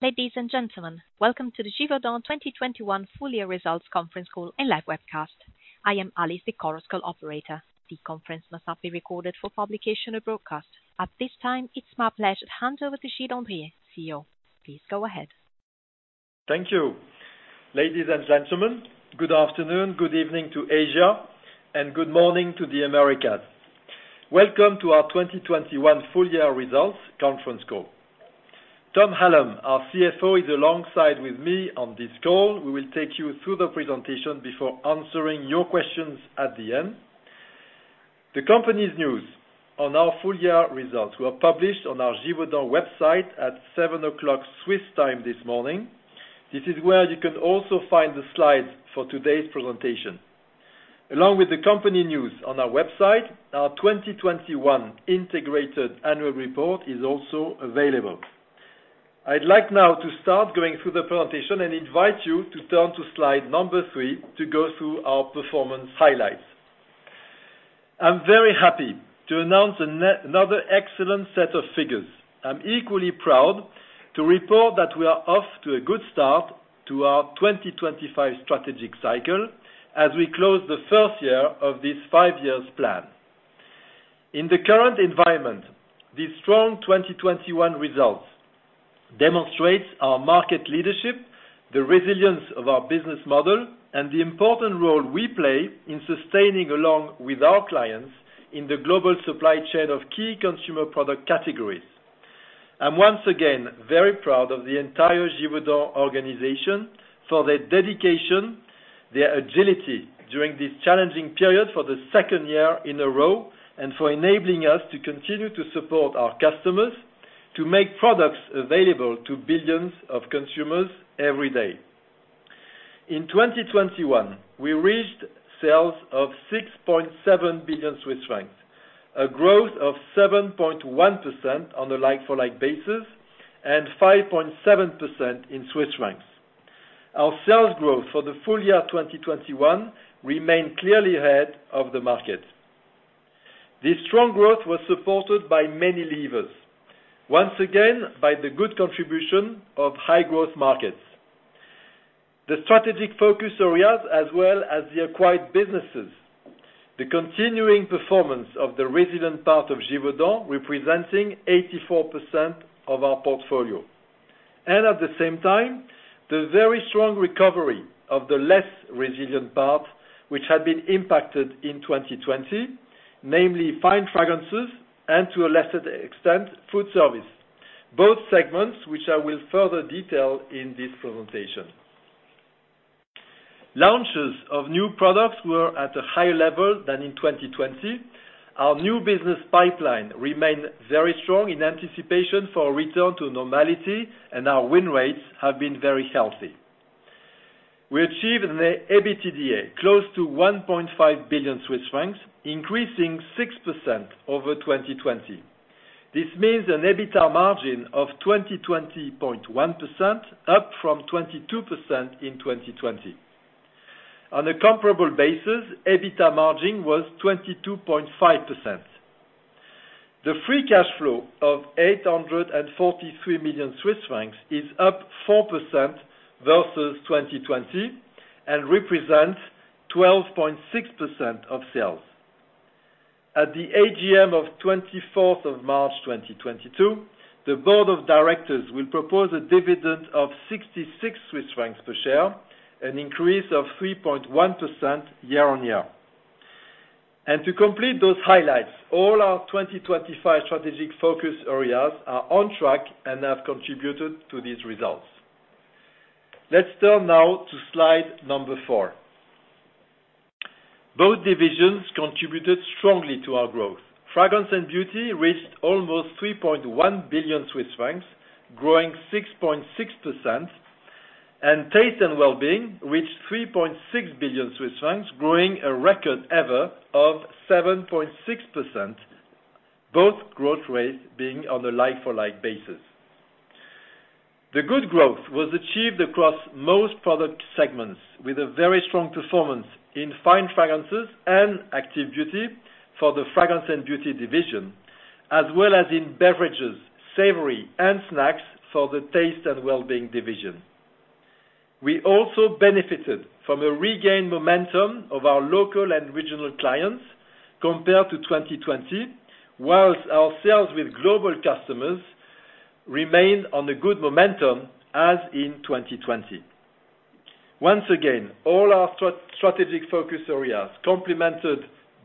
Ladies and gentlemen, welcome to the Givaudan 2021 full-year results Conference Call and live webcast. I am Alice, the Conference Call operator. The conference must not be recorded for publication or broadcast. At this time, it's my pleasure to hand over to Gilles Andrier, CEO. Please go ahead. Thank you. Ladies and gentlemen, good afternoon, good evening to Asia, and good morning to the Americas. Welcome to our 2021 full-year results Conference Call. Tom Hallam, our CFO, is alongside with me on this call. We will take you through the presentation before answering your questions at the end. The company's news on our full-year results were published on our Givaudan website at 7:00 A.M. Swiss time this morning. This is where you can also find the slides for today's presentation. Along with the company news on our website, our 2021 integrated annual report is also available. I'd like now to start going through the presentation and invite you to turn to slide 3 to go through our performance highlights. I'm very happy to announce another excellent set of figures. I'm equally proud to report that we are off to a good start to our 2025 strategic cycle as we close the first year of this five-year plan. In the current environment, these strong 2021 results demonstrates our market leadership, the resilience of our business model, and the important role we play in sustaining along with our clients in the global supply chain of key consumer product categories. I'm once again, very proud of the entire Givaudan organization for their dedication, their agility during this challenging period for the second year in a row, and for enabling us to continue to support our customers to make products available to billions of consumers every day. In 2021, we reached sales of 6.7 billion Swiss francs, a growth of 7.1% on a like-for-like basis, and 5.7% in Swiss francs. Our sales growth for the full-year 2021 remained clearly ahead of the market. This strong growth was supported by many levers, once again by the good contribution of high-growth markets, the strategic focus areas as well as the acquired businesses, the continuing performance of the resilient part of Givaudan representing 84% of our portfolio. At the same time, the very strong recovery of the less resilient part, which had been impacted in 2020, namely Fine Fragrances and to a lesser extent, food service, both segments which I will further detail in this presentation. Launches of new products were at a higher-level than in 2020. Our new business pipeline remained very strong in anticipation for a return to normality, and our win rates have been very healthy. We achieved an EBITDA close to 1.5 billion Swiss francs, increasing 6% over 2020. This means an EBITDA margin of 20.1%, up from 22% in 2020. On a comparable basis, EBITDA margin was 22.5%. The free cash flow of 843 million Swiss francs is up 4% versus 2020 and represents 12.6% of sales. At the AGM of 24th of March 2022, the board of directors will propose a dividend of 66 Swiss francs per share, an increase of 3.1% year-on-year. To complete those highlights, all our 2025 strategic focus areas are on track and have contributed to these results. Let's turn now to slide 4. Both divisions contributed strongly to our growth. Fragrance and Beauty reached almost 3.1 billion Swiss francs, growing 6.6%, and Taste and Wellbeing reached 3.6 billion Swiss francs, growing a record ever of 7.6%, both growth rates being on a like-for-like basis. The good growth was achieved across most product segments with a very strong performance in Fine Fragrances and Active Beauty for the Fragrance and Beauty division, as well as in Beverages, savory, and Snacks for the Taste and Wellbeing division. We also benefited from a regained momentum of our local and regional clients compared to 2020, whilst our sales with global customers remained on a good momentum as in 2020. Once again, all our strategic focus areas, complemented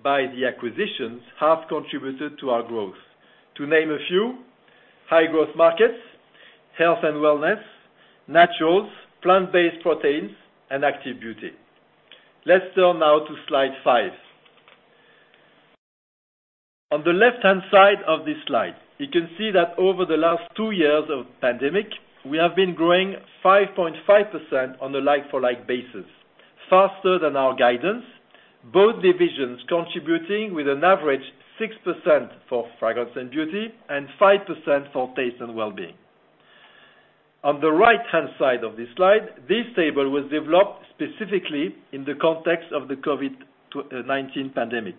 by the acquisitions, have contributed to our growth. To name a few, high growth markets, health and wellness, naturals, plant-based proteins, and Active Beauty. Let's turn now to slide 5. On the left-hand side of this slide, you can see that over the last two years of pandemic, we have been growing 5.5% on a like-for-like basis, faster than our guidance, both divisions contributing with an average 6% for Fragrance and Beauty and 5% for Taste and Wellbeing. On the right-hand side of this slide, this table was developed specifically in the context of the COVID-19 pandemic,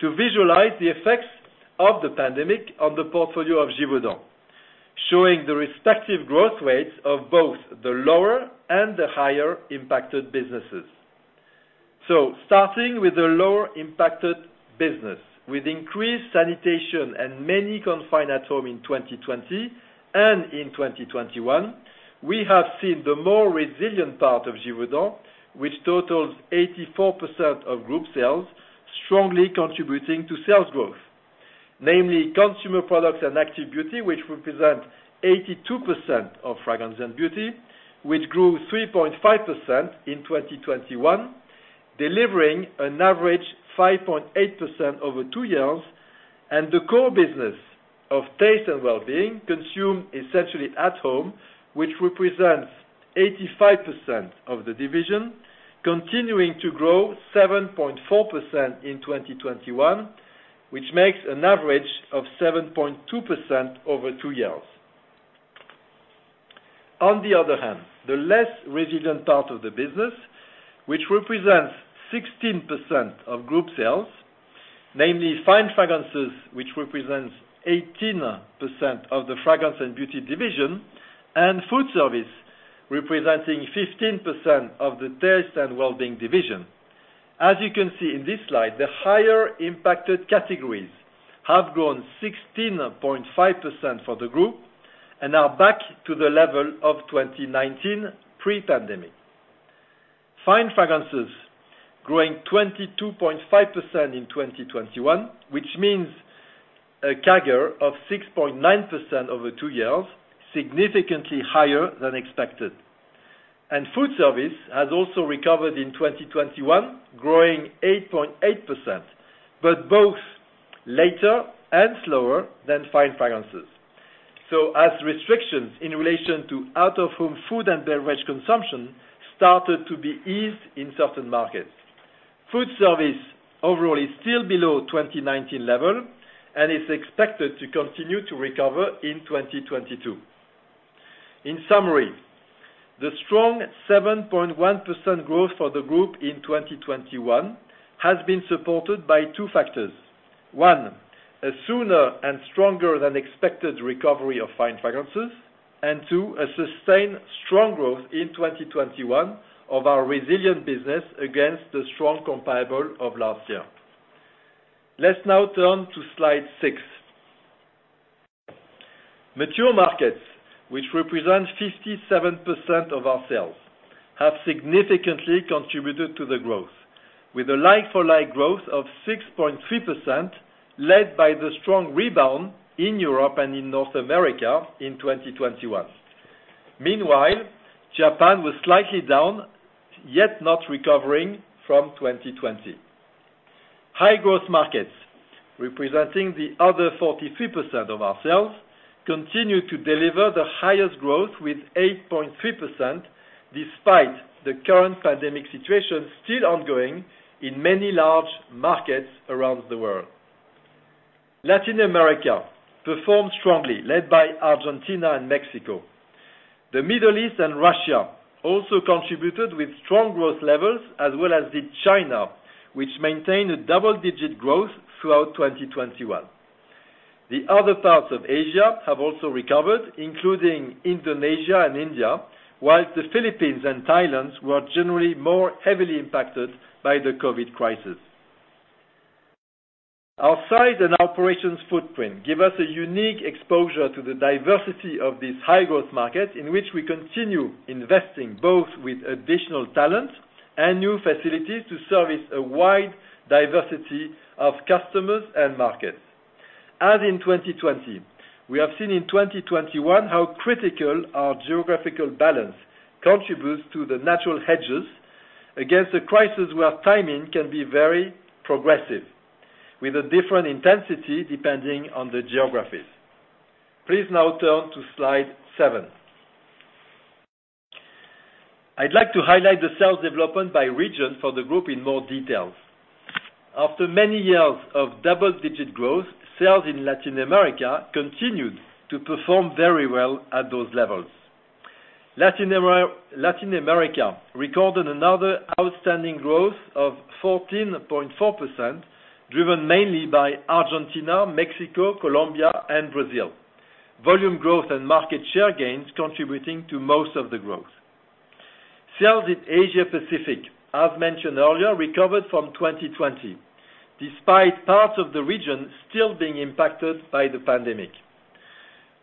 to visualize the effects of the pandemic on the portfolio of Givaudan, showing the respective growth rates of both the lower and the higher impacted businesses. Starting with the lower impacted business, with increased sanitation and many confined at home in 2020 and in 2021, we have seen the more resilient part of Givaudan, which totals 84% of group sales, strongly contributing to sales growth. Namely, Consumer Products and Active Beauty, which represent 82% of Fragrance and Beauty, which grew 3.5% in 2021, delivering an average 5.8% over two years, and the core business of Taste and Wellbeing consumed essentially at home, which represents 85% of the division, continuing to grow 7.4% in 2021, which makes an average of 7.2% over two years. On the other hand, the less resilient part of the business, which represents 16% of group sales, namely Fine Fragrances, which represents 18% of the Fragrance and Beauty division, and food service, representing 15% of the Taste and Wellbeing division. As you can see in this slide, the higher impacted categories have grown 16.5% for the group and are back to the level of 2019 pre-pandemic. Fine Fragrances growing 22.5% in 2021, which means a CAGR of 6.9% over 2 years, significantly higher than expected. Food service has also recovered in 2021, growing 8.8%, but both later and slower than Fine Fragrances. As restrictions in relation to out-of-home food and beverage consumption started to be eased in certain markets, food service overall is still below 2019 level and is expected to continue to recover in 2022. In summary, the strong 7.1% growth for the group in 2021 has been supported by 2 factors. 1, a sooner and stronger than expected recovery of Fine Fragrances, and 2, a sustained strong growth in 2021 of our resilient business against the strong comparable of last year. Let's now turn to slide 6. Mature markets, which represent 57% of our sales, have significantly contributed to the growth with a like-for-like growth of 6.3% led by the strong rebound in Europe and in North America in 2021. Meanwhile, Japan was slightly down, yet not recovering from 2020. High growth markets, representing the other 43% of our sales, continue to deliver the highest growth with 8.3% despite the current pandemic situation still ongoing in many large markets around the world. Latin America performed strongly, led by Argentina and Mexico. The Middle East and Russia also contributed with strong growth levels, as well as did China, which maintained a double-digit growth throughout 2021. The other parts of Asia have also recovered, including Indonesia and India, while the Philippines and Thailand were generally more heavily impacted by the COVID crisis. Our size and operations footprint give us a unique exposure to the diversity of this high growth market in which we continue investing, both with additional talent and new facilities to service a wide diversity of customers and markets. As in 2020, we have seen in 2021 how critical our geographical balance contributes to the natural hedges against a crisis where timing can be very progressive, with a different intensity depending on the geographies. Please now turn to slide 7. I'd like to highlight the sales development by region for the group in more details. After many years of double-digit growth, sales in Latin America continued to perform very well at those levels. Latin America recorded another outstanding growth of 14.4%, driven mainly by Argentina, Mexico, Colombia, and Brazil. Volume growth and market share gains contributing to most of the growth. Sales in Asia-Pacific, as mentioned earlier, recovered from 2020, despite parts of the region still being impacted by the pandemic.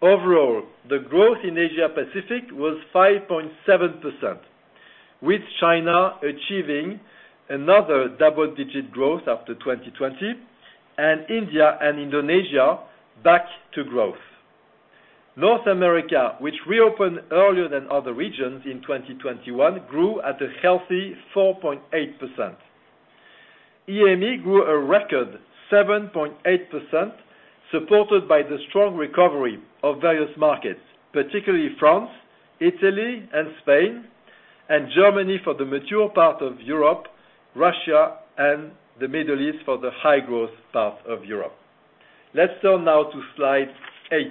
Overall, the growth in Asia-Pacific was 5.7%, with China achieving another double-digit growth after 2020 and India and Indonesia back to growth. North America, which reopened earlier than other regions in 2021, grew at a healthy 4.8%. EAME grew a record 7.8%, supported by the strong recovery of various markets, particularly France, Italy and Spain, and Germany for the mature part of Europe, Russia and the Middle East for the high-growth part of Europe. Let's turn now to slide 8.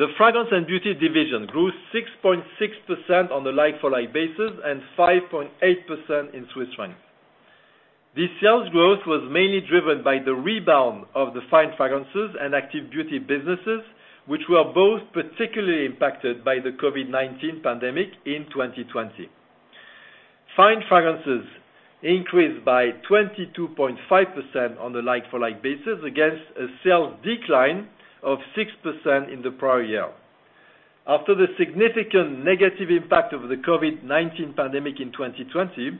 The Fragrance and Beauty division grew 6.6% on a like-for-like basis and 5.8% in CHF. This sales growth was mainly driven by the rebound of the Fine Fragrances and Active Beauty businesses, which were both particularly impacted by the COVID-19 pandemic in 2020. Fine Fragrances increased by 22.5% on the like-for-like basis against a sales decline of 6% in the prior year. After the significant negative impact of the COVID-19 pandemic in 2020,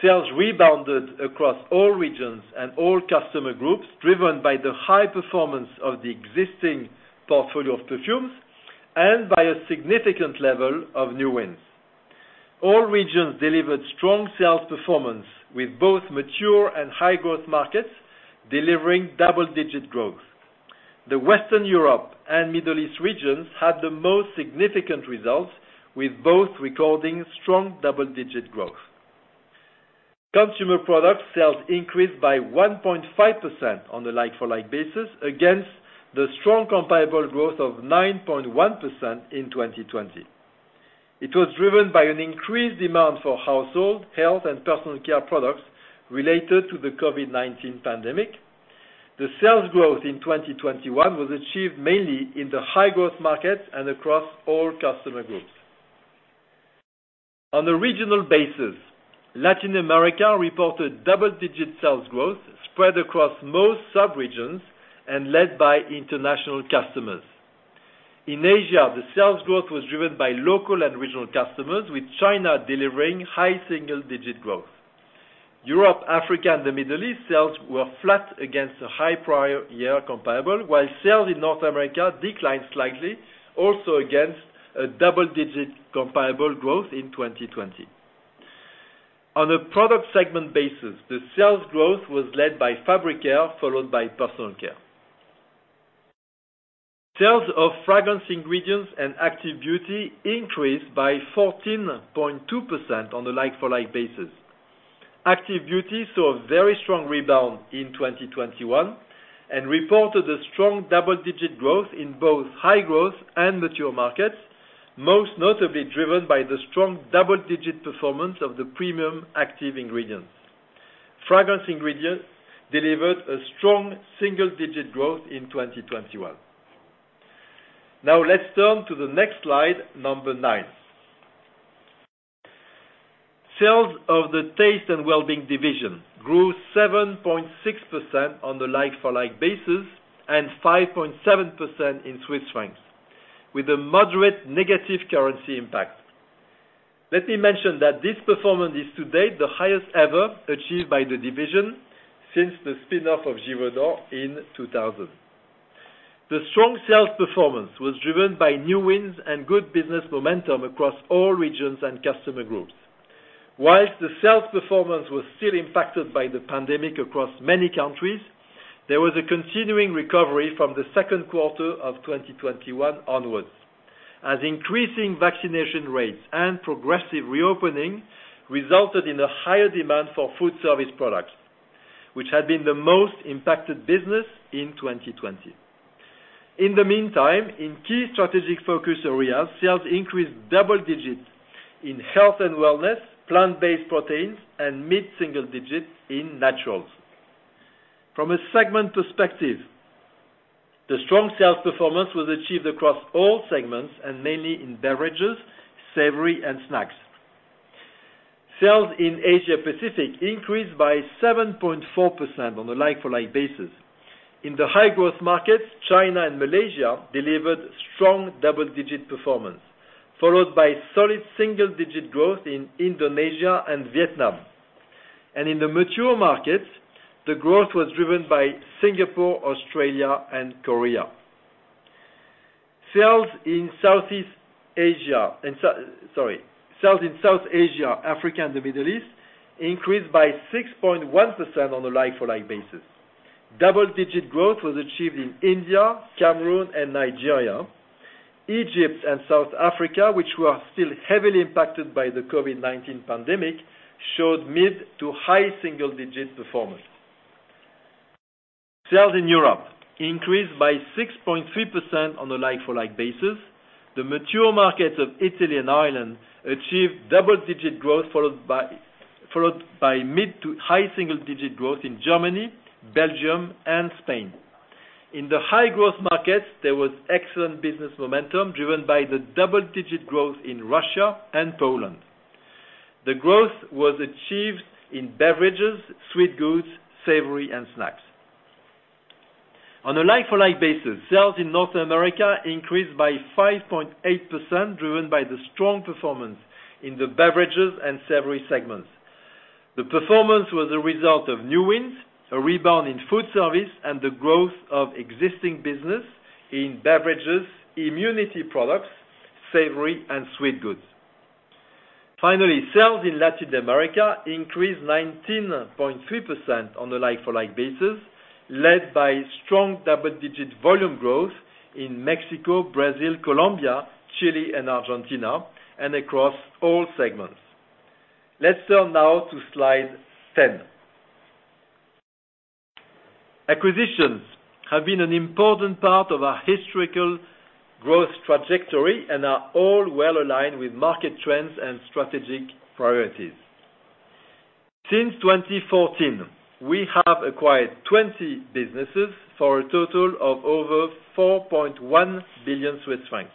sales rebounded across all regions and all customer groups, driven by the high performance of the existing portfolio of perfumes and by a significant level of new wins. All regions delivered strong sales performance with both mature and high growth markets delivering double-digit growth. The Western Europe and Middle East regions had the most significant results, with both recording strong double-digit growth. Consumer Products sales increased by 1.5% on a like-for-like basis against the strong comparable growth of 9.1% in 2020. It was driven by an increased demand for household, health, and Personal Care products related to the COVID-19 pandemic. The sales growth in 2021 was achieved mainly in the high growth markets and across all customer groups. On a regional basis, Latin America reported double-digit sales growth spread across most sub-regions and led by international customers. In Asia, the sales growth was driven by local and regional customers, with China delivering high single-digit growth. Europe, Africa, and the Middle East sales were flat against a high prior year comparable, while sales in North America declined slightly, also against a double-digit comparable growth in 2020. On a product segment basis, the sales growth was led by Fabric Care, followed by Personal Care. Sales of Fragrance Ingredients and Active Beauty increased by 14.2% on the like-for-like basis. Active Beauty saw a very strong rebound in 2021 and reported a strong double-digit growth in both high growth and mature markets, most notably driven by the strong double-digit performance of the premium active ingredients. Fragrance Ingredients delivered a strong single-digit growth in 2021. Now let's turn to the next slide, number 9. Sales of the Taste and Wellbeing division grew 7.6% on the like-for-like basis and 5.7% in Swiss francs with a moderate negative currency impact. Let me mention that this performance is to date the highest ever achieved by the division since the spin-off of Givaudan in 2000. The strong sales performance was driven by new wins and good business momentum across all regions and customer groups. While the sales performance was still impacted by the pandemic across many countries, there was a continuing recovery from the Q2 2021 onwards. As increasing vaccination rates and progressive reopening resulted in a higher demand for food service products, which had been the most impacted business in 2020. In the meantime, in key strategic focus areas, sales increased double-digits in health and wellness, plant-based proteins, and mid-single-digits in naturals. From a segment perspective, the strong sales performance was achieved across all segments and mainly in Beverages, Savory, and Snacks. Sales in Asia-Pacific increased by 7.4% on a like-for-like basis. In the high-growth markets, China and Malaysia delivered strong double-digit performance, followed by solid single-digit growth in Indonesia and Vietnam. In the mature markets, the growth was driven by Singapore, Australia, and Korea. Sales in South Asia, Africa, and the Middle East increased by 6.1% on a like-for-like basis. Double-digit growth was achieved in India, Cameroon, and Nigeria. Egypt and South Africa, which were still heavily impacted by the COVID-19 pandemic, showed mid to high single-digit performance. Sales in Europe increased by 6.3% on a like-for-like basis. The mature markets of Italy and Ireland achieved double-digit growth, followed by mid to high single-digit growth in Germany, Belgium, and Spain. In the high-growth markets, there was excellent business momentum driven by the double-digit growth in Russia and Poland. The growth was achieved in Beverages, sweet goods, Savoury, and Snacks. On a like-for-like basis, sales in North America increased by 5.8%, driven by the strong performance in the Beverages and Savoury segments. The performance was a result of new wins, a rebound in food service, and the growth of existing business in beverages, immunity products, savory, and sweet goods. Sales in Latin America increased 19.3% on the like-for-like basis, led by strong double-digit volume growth in Mexico, Brazil, Colombia, Chile, and Argentina, and across all segments. Let's turn now to slide 10. Acquisitions have been an important part of our historical growth trajectory and are all well aligned with market trends and strategic priorities. Since 2014, we have acquired 20 businesses for a total of over 4.1 billion Swiss francs,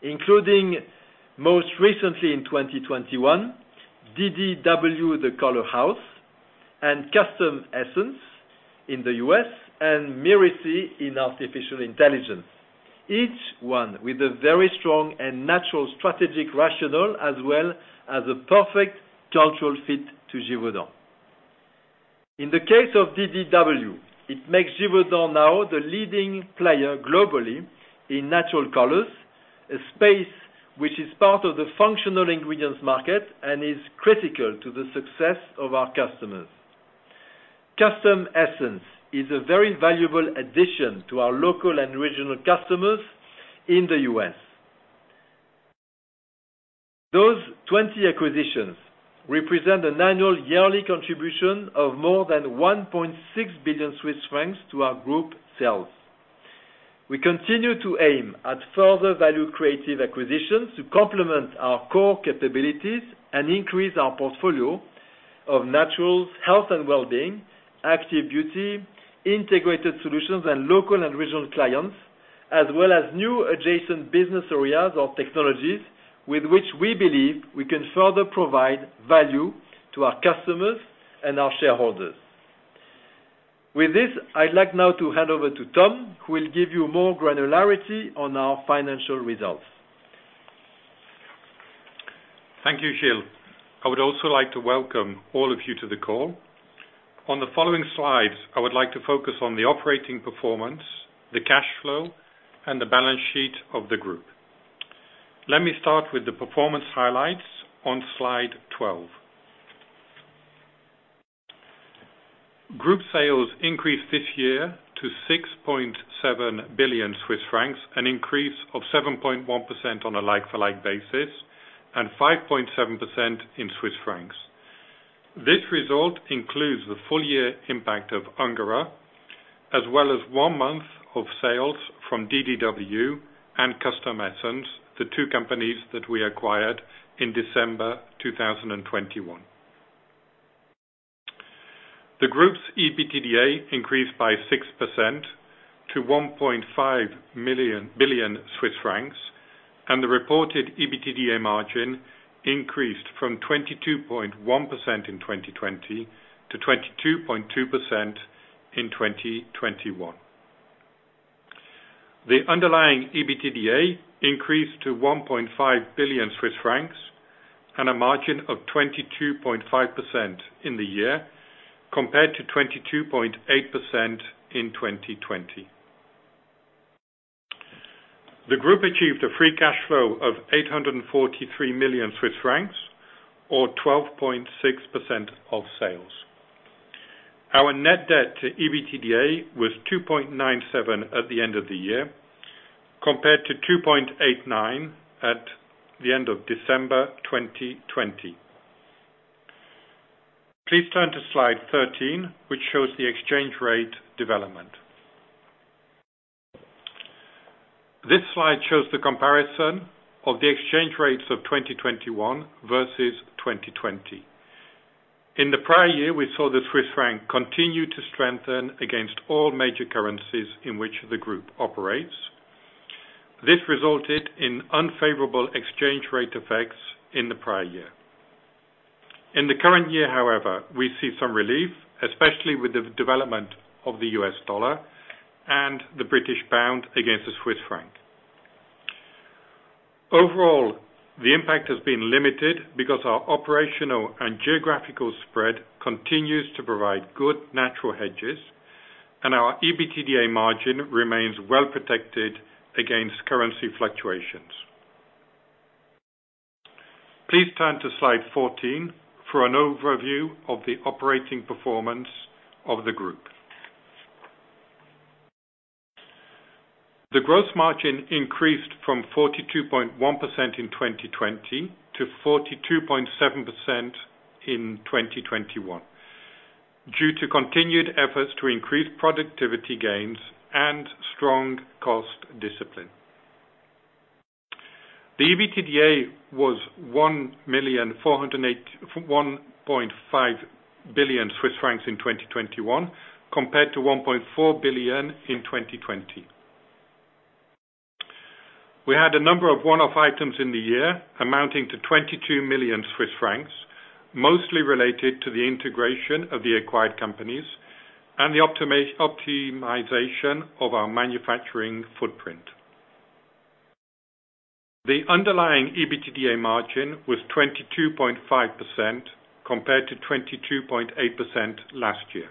including most recently in 2021, DDW, the Color House, and Custom Essence in the US, and Myrissi in artificial intelligence. Each one with a very strong and natural strategic rationale as well as a perfect cultural fit to Givaudan. In the case of DDW, it makes Givaudan now the leading player globally in natural colors, a space which is part of the functional ingredients market and is critical to the success of our customers. Custom Essence is a very valuable addition to our local and regional customers in the US. Those 20 acquisitions represent an annual yearly contribution of more than 1.6 billion Swiss francs to our group sales. We continue to aim at further value creative acquisitions to complement our core capabilities and increase our portfolio of naturals, health and wellbeing, Active Beauty, Integrated Solutions, and local and regional clients, as well as new adjacent business areas or technologies with which we believe we can further provide value to our customers and our shareholders. With this, I'd like now to hand over to Tom, who will give you more granularity on our financial results. Thank you, Gilles. I would also like to welcome all of you to the call. On the following slides, I would like to focus on the operating performance, the cash flow, and the balance sheet of the group. Let me start with the performance highlights on slide 12. Group sales increased this year to 6.7 billion Swiss francs, an increase of 7.1% on a like-for-like basis and 5.7% in Swiss francs. This result includes the full-year impact of Ungerer, as well as one month of sales from DDW and Custom Essence, the two companies that we acquired in December 2021. The group's EBITDA increased by 6% to 1.5 billion Swiss francs, and the reported EBITDA margin increased from 22.1% in 2020 to 22.2% in 2021. The underlying EBITDA increased to 1.5 billion Swiss francs and a margin of 22.5% in the year, compared to 22.8% in 2020. The group achieved a free cash flow of 843 million Swiss francs, or 12.6% of sales. Our net debt to EBITDA was 2.97 at the end of the year, compared to 2.89 at the end of December 2020. Please turn to slide 13, which shows the exchange rate development. This slide shows the comparison of the exchange rates of 2021 versus 2020. In the prior year, we saw the Swiss franc continue to strengthen against all major currencies in which the group operates. This resulted in unfavorable exchange rate effects in the prior year. In the current year, however, we see some relief, especially with the development of the US dollar and the British pound against the Swiss franc. Overall, the impact has been limited because our operational and geographical spread continues to provide good natural hedges, and our EBITDA margin remains well-protected against currency fluctuations. Please turn to slide 14 for an overview of the operating performance of the group. The gross margin increased from 42.1% in 2020 to 42.7% in 2021 due to continued efforts to increase productivity gains and strong cost discipline. The EBITDA was 1.5 billion Swiss francs in 2021 compared to 1.4 billion in 2020. We had a number of one-off items in the year amounting to 22 million Swiss francs, mostly related to the integration of the acquired companies and the optimization of our manufacturing footprint. The underlying EBITDA margin was 22.5% compared to 22.8% last year.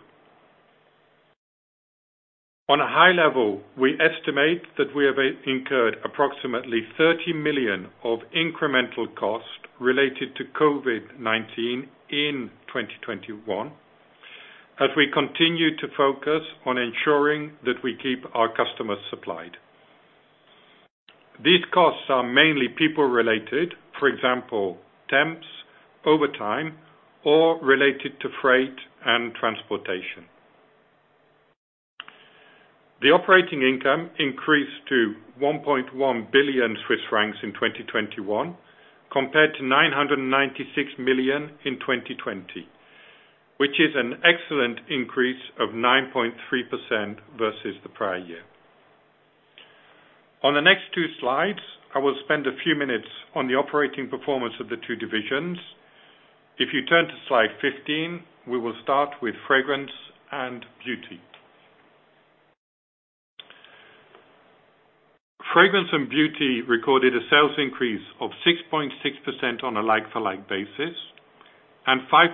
On a high-level, we estimate that we have incurred approximately 30 million of incremental cost related to COVID-19 in 2021 as we continue to focus on ensuring that we keep our customers supplied. These costs are mainly people-related, for example, temps, overtime, or related to freight and transportation. The operating income increased to 1.1 billion Swiss francs in 2021 compared to 996 million in 2020, which is an excellent increase of 9.3% versus the prior year. On the next two slides, I will spend a few minutes on the operating performance of the two divisions. If you turn to slide 15, we will start with Fragrance and Beauty. Fragrance and Beauty recorded a sales increase of 6.6% on a like-for-like basis and 5.8%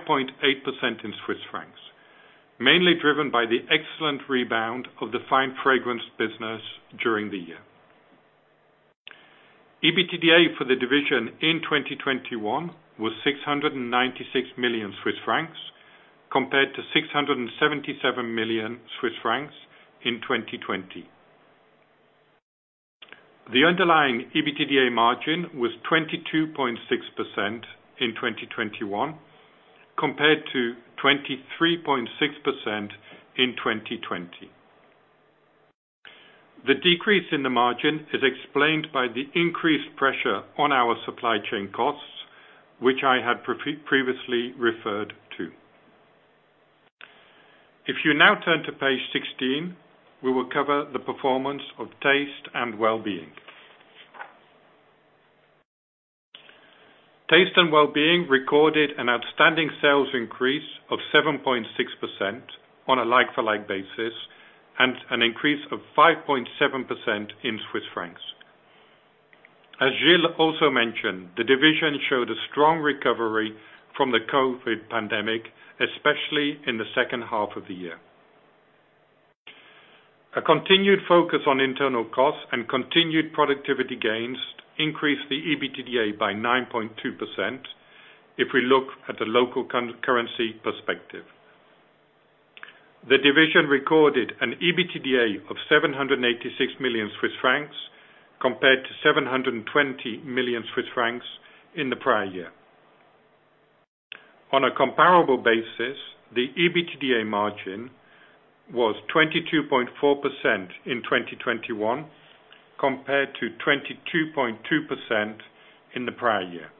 in Swiss francs, mainly driven by the excellent rebound of the Fine Fragrances business during the year. EBITDA for the division in 2021 was 696 million Swiss francs compared to 677 million Swiss francs in 2020. The underlying EBITDA margin was 22.6% in 2021 compared to 23.6% in 2020. The decrease in the margin is explained by the increased pressure on our supply chain costs, which I had previously referred to. If you now turn to page 16, we will cover the performance of Taste and Wellbeing. Taste and Wellbeing recorded an outstanding sales increase of 7.6% on a like-for-like basis and an increase of 5.7% in Swiss francs. As Gilles also mentioned, the division showed a strong recovery from the COVID pandemic, especially in the second half of the year. A continued focus on internal costs and continued productivity gains increased the EBITDA by 9.2% if we look at the local currency perspective. The division recorded an EBITDA of 786 million Swiss francs compared to 720 million Swiss francs in the prior year. On a comparable basis, the EBITDA margin was 22.4% in 2021 compared to 22.2% in the prior year.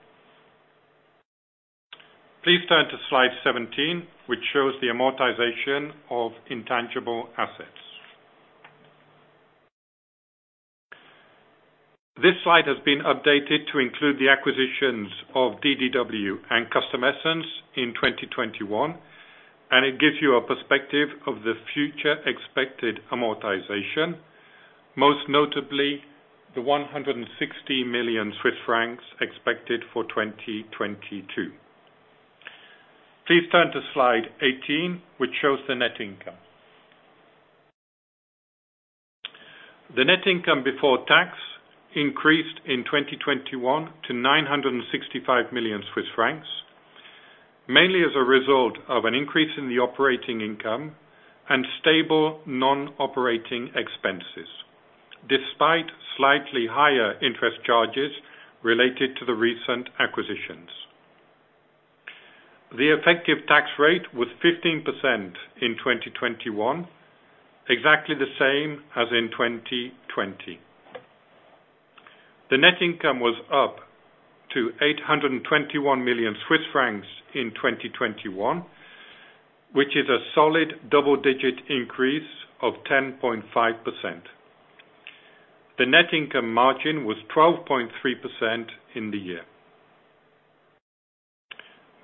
Please turn to slide 17, which shows the amortization of intangible assets. This slide has been updated to include the acquisitions of DDW and Custom Essence in 2021, and it gives you a perspective of the future expected amortization, most notably the 160 million Swiss francs expected for 2022. Please turn to slide 18, which shows the net income. The net income before tax increased in 2021 to 965 million Swiss francs, mainly as a result of an increase in the operating income and stable non-operating expenses despite slightly higher interest charges related to the recent acquisitions. The effective tax rate was 15% in 2021, exactly the same as in 2020. The net income was up to 821 million Swiss francs in 2021, which is a solid double-digit increase of 10.5%. The net income margin was 12.3% in the year.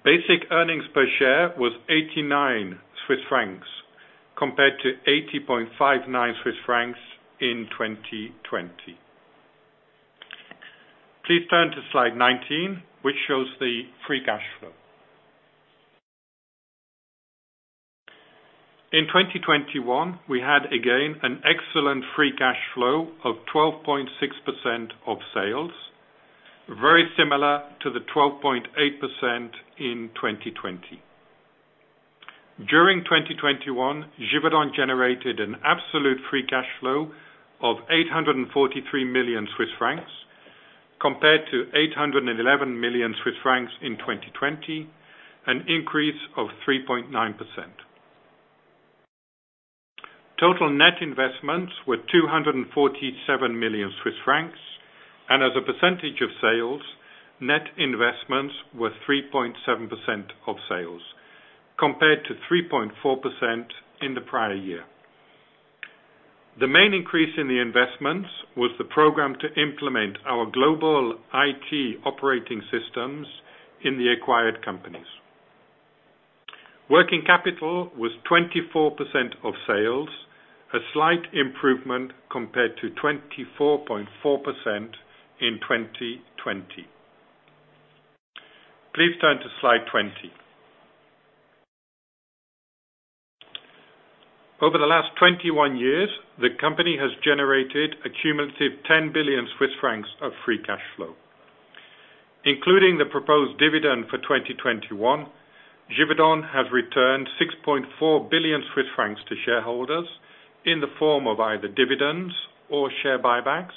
Basic earnings per share was 89 Swiss francs compared to 80.59 Swiss francs in 2020. Please turn to slide 19, which shows the free cash flow. In 2021, we had again an excellent free cash flow of 12.6% of sales, very similar to the 12.8% in 2020. During 2021, Givaudan generated an absolute free cash flow of 843 million Swiss francs compared to 811 million Swiss francs in 2020, an increase of 3.9%. Total net investments were 247 million Swiss francs, and as a percentage of sales, net investments were 3.7% of sales compared to 3.4% in the prior year. The main increase in the investments was the program to implement our global IT operating systems in the acquired companies. Working capital was 24% of sales, a slight improvement compared to 24.4% in 2020. Please turn to slide 20. Over the last 21 years, the company has generated a cumulative 10 billion Swiss francs of free cash flow. Including the proposed dividend for 2021, Givaudan has returned 6.4 billion Swiss francs to shareholders in the form of either dividends or share buybacks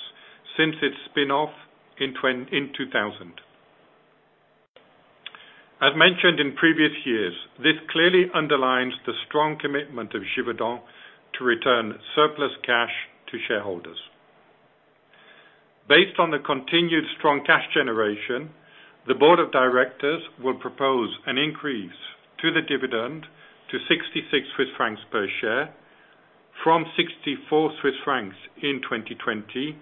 since its spin-off in 2000. As mentioned in previous years, this clearly underlines the strong commitment of Givaudan to return surplus cash to shareholders. Based on the continued strong cash generation, the board of directors will propose an increase to the dividend to 66 Swiss francs per share from 64 Swiss francs in 2020,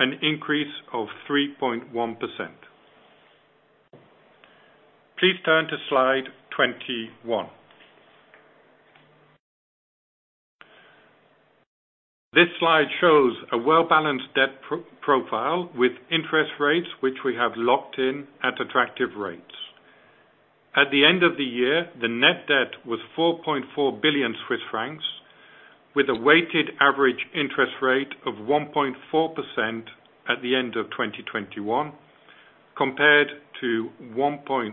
an increase of 3.1%. Please turn to slide 21. This slide shows a well-balanced debt profile with interest rates, which we have locked in at attractive rates. At the end of the year, the net debt was 4.4 billion Swiss francs, with a weighted average interest rate of 1.4% at the end of 2021, compared to 1.5%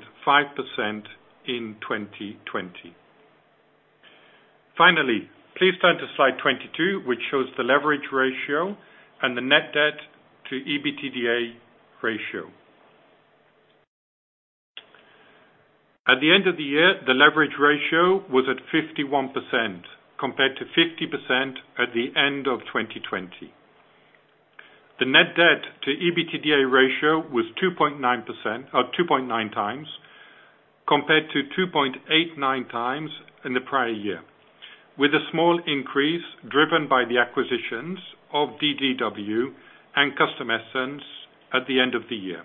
in 2020. Finally, please turn to slide 22, which shows the leverage ratio and the net debt to EBITDA ratio. At the end of the year, the leverage ratio was at 51%, compared to 50% at the end of 2020. The net debt to EBITDA ratio was 2.9% or 2.9 times, compared to 2.89 times in the prior year, with a small increase driven by the acquisitions of DDW and Custom Essence at the end of the year.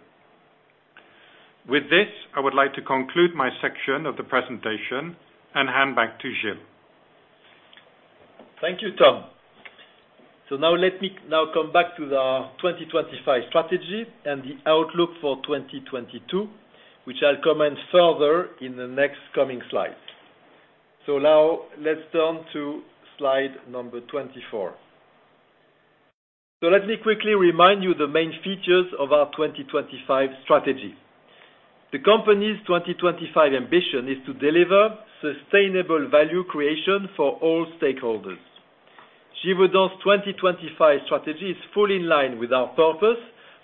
With this, I would like to conclude my section of the presentation and hand back to Gilles. Thank you, Tom. Now let me come back to the 2025 strategy and the outlook for 2022, which I'll comment further in the next coming slides. Now let's turn to slide number 24. Let me quickly remind you the main features of our 2025 strategy. The company's 2025 ambition is to deliver sustainable value creation for all stakeholders. Givaudan's 2025 strategy is fully in line with our purpose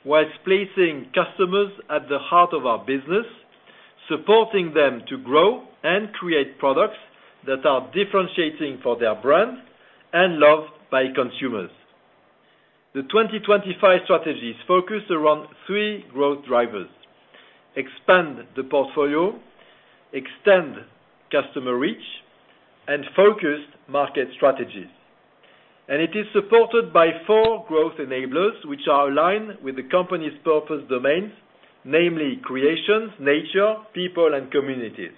while placing customers at the heart of our business, supporting them to grow and create products that are differentiating for their brands and loved by consumers. The 2025 strategy is focused around three growth drivers, expand the portfolio, extend customer reach, and focused market strategies. It is supported by four growth enablers which are aligned with the company's purpose domains, namely creations, nature, people, and communities.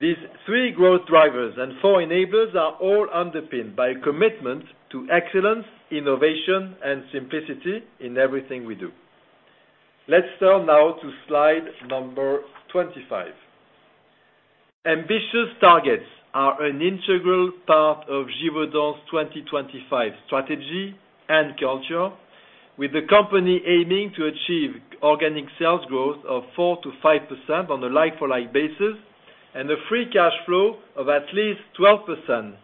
These three growth drivers and four enablers are all underpinned by a commitment to excellence, innovation, and simplicity in everything we do. Let's turn now to slide number 25. Ambitious targets are an integral part of Givaudan's 2025 strategy and culture, with the company aiming to achieve organic sales growth of 4%-5% on a like-for-like basis, and a free cash flow of at least 12%,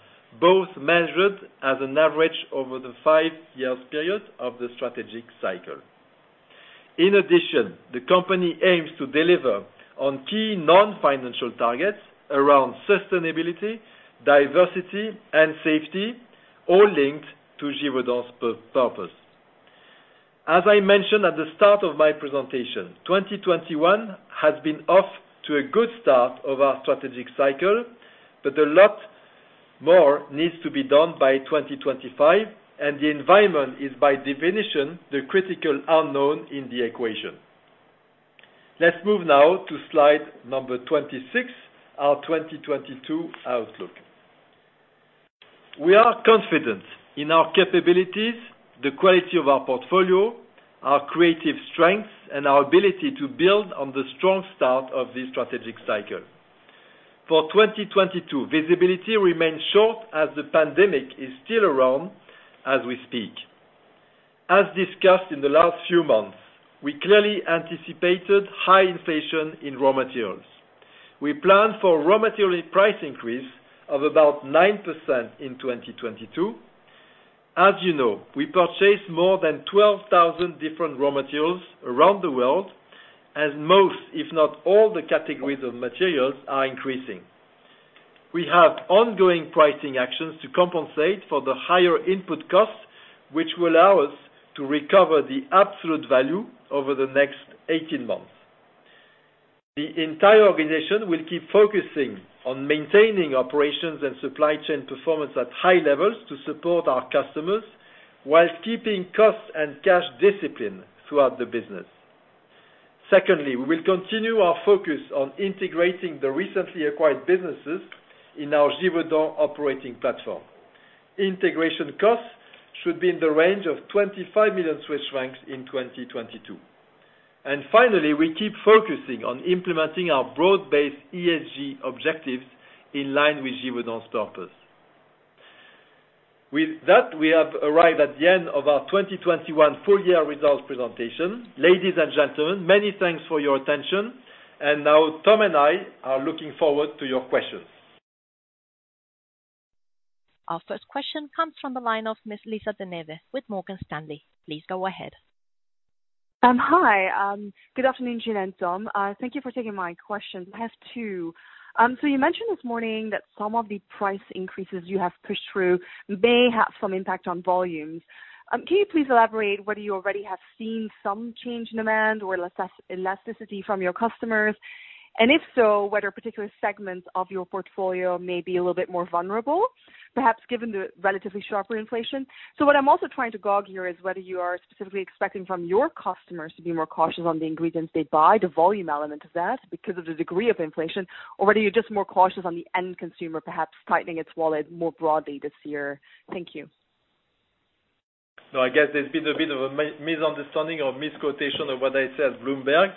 both measured as an average over the 5-year period of the strategic cycle. In addition, the company aims to deliver on key non-financial targets around sustainability, diversity, and safety, all linked to Givaudan's purpose. As I mentioned at the start of my presentation, 2021 has been off to a good start of our strategic cycle, but a lot more needs to be done by 2025, and the environment is by definition the critical unknown in the equation. Let's move now to slide number 26, our 2022 outlook. We are confident in our capabilities, the quality of our portfolio, our creative strengths, and our ability to build on the strong start of this strategic cycle. For 2022, visibility remains short as the pandemic is still around as we speak. As discussed in the last few months, we clearly anticipated high inflation in raw materials. We plan for raw material price increase of about 9% in 2022. As you know, we purchase more than 12,000 different raw materials around the world, and most, if not all the categories of materials are increasing. We have ongoing pricing actions to compensate for the higher input costs, which will allow us to recover the absolute value over the next 18 months. The entire organization will keep focusing on maintaining operations and supply chain performance at high-levels to support our customers while keeping costs and cash discipline throughout the business. Secondly, we will continue our focus on integrating the recently acquired businesses in our Givaudan operating platform. Integration costs should be in the range of 25 million Swiss francs in 2022. Finally, we keep focusing on implementing our broad-based ESG objectives in line with Givaudan's purpose. With that, we have arrived at the end of our 2021 full-year results presentation. Ladies and gentlemen, many thanks for your attention. Now Tom and I are looking forward to your questions. Our first question comes from the line of Ms. Lisa De Neve with Morgan Stanley. Please go ahead. Hi. Good afternoon, Gilles and Tom. Thank you for taking my question. I have two. You mentioned this morning that some of the price increases you have pushed through may have some impact on volumes. Can you please elaborate whether you already have seen some change in demand or less elasticity from your customers? And if so, whether particular segments of your portfolio may be a little bit more vulnerable, perhaps given the relatively sharper inflation. What I'm also trying to gauge here is whether you are specifically expecting from your customers to be more cautious on the ingredients they buy, the volume element of that because of the degree of inflation, or whether you're just more cautious on the end consumer perhaps tightening its wallet more broadly this year. Thank you. No, I guess there's been a bit of a misunderstanding or misquotation of what I said, Bloomberg.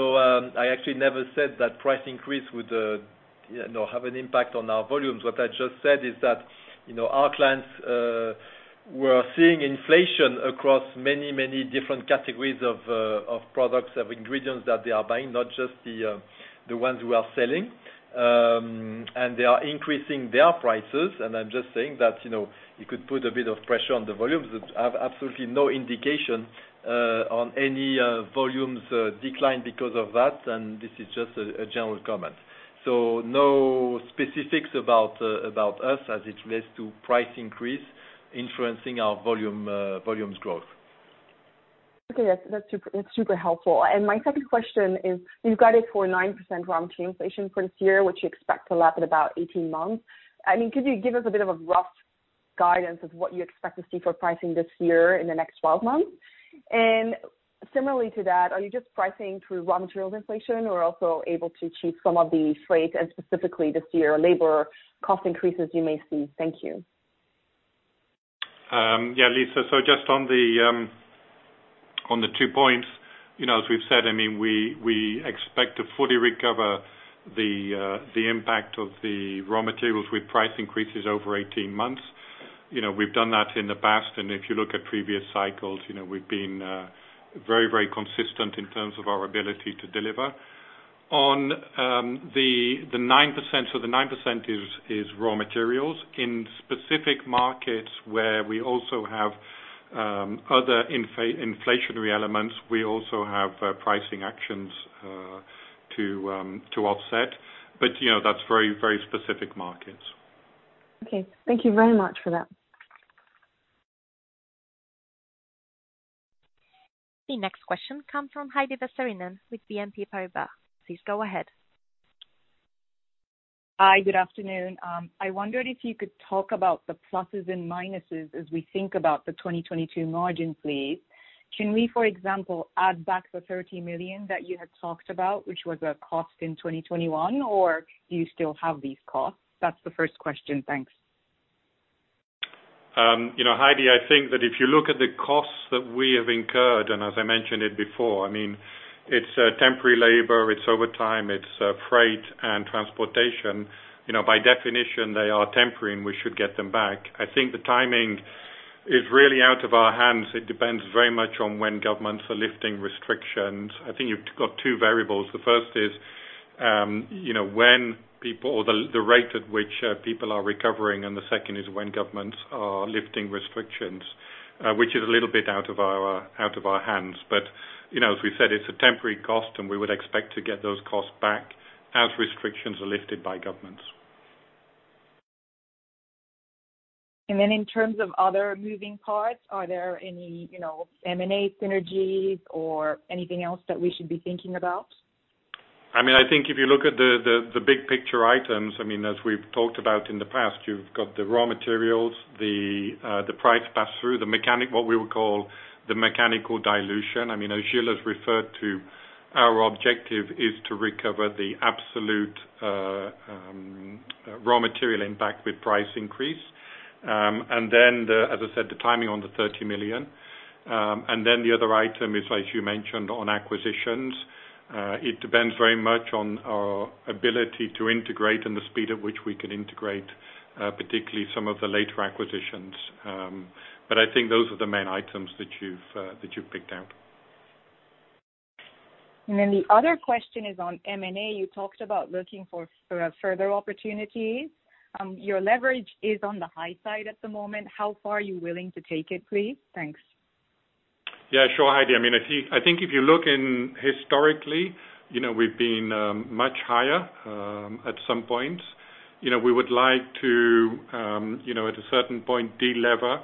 I actually never said that price increase would have an impact on our volumes. What I just said is that, you know, our clients were seeing inflation across many different categories of products, of ingredients that they are buying, not just the ones we are selling. They are increasing their prices. I'm just saying that, you know, it could put a bit of pressure on the volumes. I have absolutely no indication on any volumes decline because of that, and this is just a general comment. No specifics about us as it relates to price increase influencing our volumes growth. Okay. That's super helpful. My second question is, you've guided for a 9% raw material inflation for this year, which you expect to lap at about 18 months. I mean, could you give us a bit of a rough guidance of what you expect to see for pricing this year in the next 12 months? Similarly to that, are you just pricing through raw materials inflation, or also able to achieve some of the freight and specifically this year, labor cost increases you may see? Thank you. Yeah, Lisa. Just on the two points, you know, as we've said, I mean, we expect to fully recover the impact of the raw materials with price increases over 18 months. You know, we've done that in the past. If you look at previous cycles, you know, we've been very consistent in terms of our ability to deliver. On the 9%, so the 9% is raw materials. In specific markets where we also have other inflationary elements, we also have pricing actions to offset. You know, that's very specific markets. Okay. Thank you very much for that. The next question comes from Heidi Vesterinen with Exane BNP Paribas. Please go ahead. Hi, good afternoon. I wondered if you could talk about the pluses and minuses as we think about the 2022 margins, please. Can we, for example, add back the 30 million that you had talked about, which was a cost in 2021? Or do you still have these costs? That's the first question. Thanks. You know, Heidi, I think that if you look at the costs that we have incurred, and as I mentioned it before, I mean, it's temporary labor, it's overtime, it's freight and transportation. You know, by definition, they are temporary and we should get them back. I think the timing is really out of our hands. It depends very much on when governments are lifting restrictions. I think you've got two variables. The first is, you know, the rate at which people are recovering, and the second is when governments are lifting restrictions, which is a little bit out of our hands. You know, as we said, it's a temporary cost, and we would expect to get those costs back as restrictions are lifted by governments. In terms of other moving parts, are there any, you know, M&A synergies or anything else that we should be thinking about? I mean, I think if you look at the big picture items. I mean, as we've talked about in the past, you've got the raw materials, the price pass-through, what we would call the mechanical dilution. I mean, as Gilles has referred to, our objective is to recover the absolute raw material impact with price increase. As I said, the timing on the 30 million. The other item is, as you mentioned, on acquisitions. It depends very much on our ability to integrate and the speed at which we can integrate, particularly some of the later acquisitions. I think those are the main items that you've picked out. Then the other question is on M&A. You talked about looking for further opportunities. Your leverage is on the high side at the moment. How far are you willing to take it, please? Thanks. Yeah, sure, Heidi. I mean, I think if you look back historically, you know, we've been much higher at some point. You know, we would like to, you know, at a certain point, de-lever,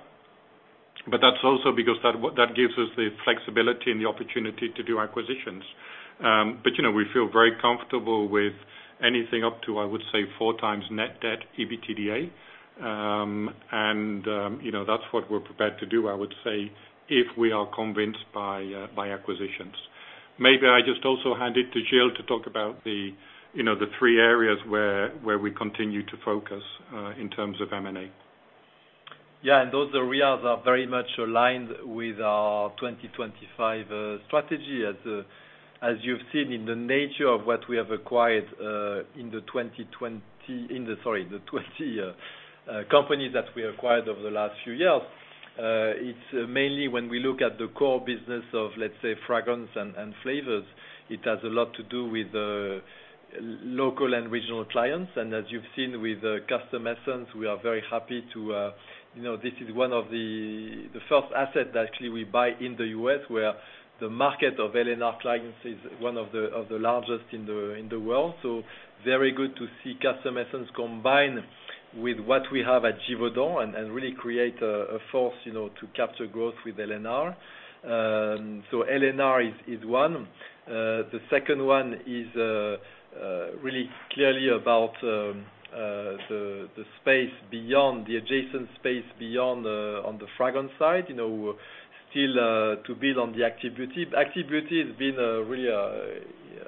but that's also because that gives us the flexibility and the opportunity to do acquisitions. You know, we feel very comfortable with anything up to, I would say, four times net debt EBITDA. You know, that's what we're prepared to do, I would say, if we are convinced by acquisitions. Maybe I just also hand it to Gilles to talk about the, you know, the three areas where we continue to focus in terms of M&A. Yeah. Those areas are very much aligned with our 2025 strategy as you've seen in the nature of what we have acquired in the 20 companies that we acquired over the last few years. It's mainly when we look at the core business of, let's say, fragrance and flavors, it has a lot to do with the local and regional clients. As you've seen with Custom Essence, we are very happy to, you know, this is one of the first asset that actually we buy in the US, where the market of L&R clients is one of the largest in the world. Very good to see Custom Essence combine with what we have at Givaudan and really create a force, you know, to capture growth with L&R. L&R is one. The second one is really clearly about the space beyond, the adjacent space beyond on the fragrance side. You know, still to build on the Active Beauty. Active Beauty has been a really, I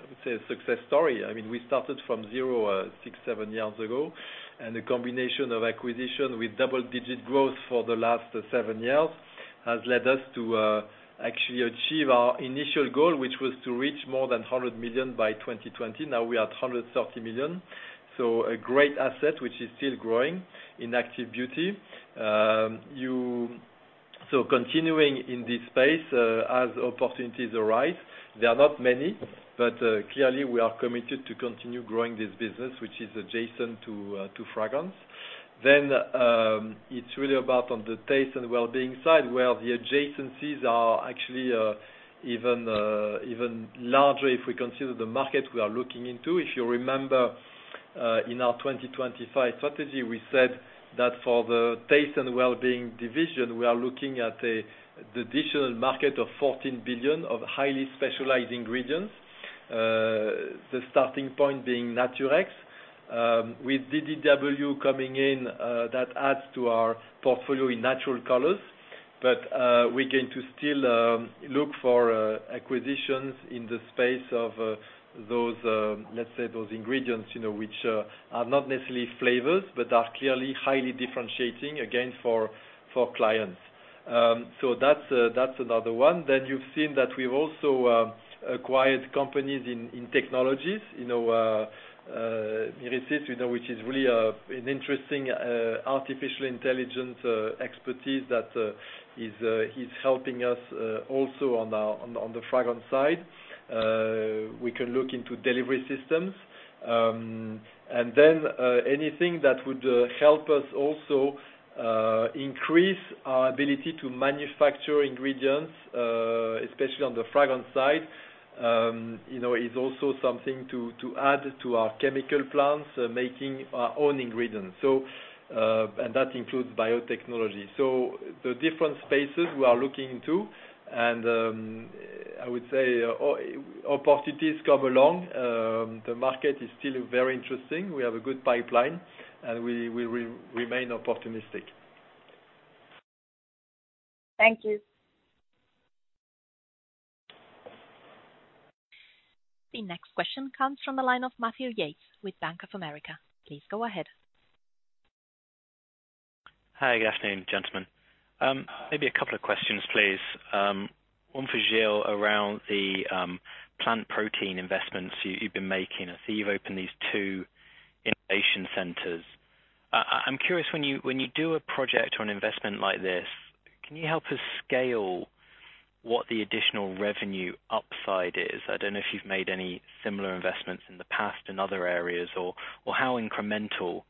would say, a success story. I mean, we started from zero six, seven years ago, and the combination of acquisition with double-digit growth for the last seven years has led us to actually achieve our initial goal, which was to reach more than 100 million by 2020. Now we are at 130 million. A great asset which is still growing in Active Beauty. You... Continuing in this space, as opportunities arise, there are not many, but clearly, we are committed to continue growing this business, which is adjacent to Fragrance. It's really about on the Taste and Wellbeing side, where the adjacencies are actually even larger if we consider the market we are looking into. If you remember, in our 2025 strategy, we said that for the Taste and Wellbeing division, we are looking at the additional market of 14 billion of highly specialized ingredients. The starting point being Naturex. With DDW coming in, that adds to our portfolio in natural colors. We're going to still look for acquisitions in the space of those, let's say, those ingredients, you know, which are not necessarily flavors, but are clearly highly differentiating for clients. That's another one. You've seen that we've also acquired companies in technologies. You know, Myrissi, you know, which is really an interesting artificial intelligence expertise that is helping us also on the fragrance side. We can look into delivery systems. Anything that would help us also increase our ability to manufacture ingredients, especially on the fragrance side, you know, is also something to add to our chemical plants, making our own ingredients. That includes biotechnology. The different spaces we are looking into and, I would say opportunities come along. The market is still very interesting. We have a good pipeline, and we will remain optimistic. Thank you. The next question comes from the line of Matthew Yates with Bank of America. Please go ahead. Hi, good afternoon, gentlemen. Maybe a couple of questions, please. One for Gilles around the plant protein investments you've been making. I see you've opened these two innovation centers. I'm curious, when you do a project or an investment like this, can you help us scale what the additional revenue upside is? I don't know if you've made any similar investments in the past in other areas or how incremental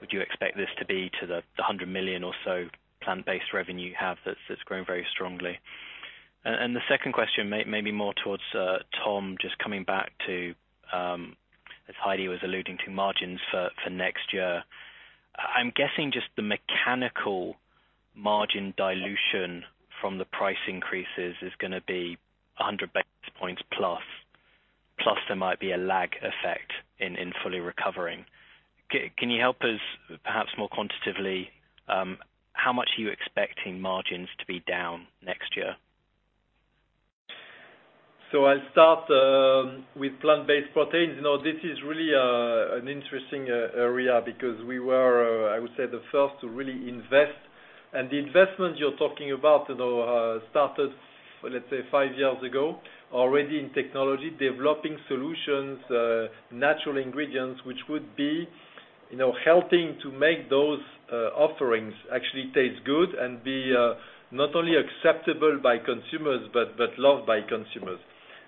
would you expect this to be to the 100 million or so plant-based revenue you have that's grown very strongly. The second question may be more towards Tom, just coming back to, as Heidi was alluding to margins for next year. I'm guessing just the mechanical margin dilution from the price increases is gonna be 100 basis points plus. There might be a lag effect in fully recovering. Can you help us perhaps more quantitatively, how much are you expecting margins to be down next year? I'll start with plant-based proteins. You know, this is really an interesting area because we were, I would say, the first to really invest. The investment you're talking about, you know, started, let's say, 5 years ago, already in technology, developing solutions, natural ingredients, which would be, you know, helping to make those offerings actually taste good and be not only acceptable by consumers, but loved by consumers.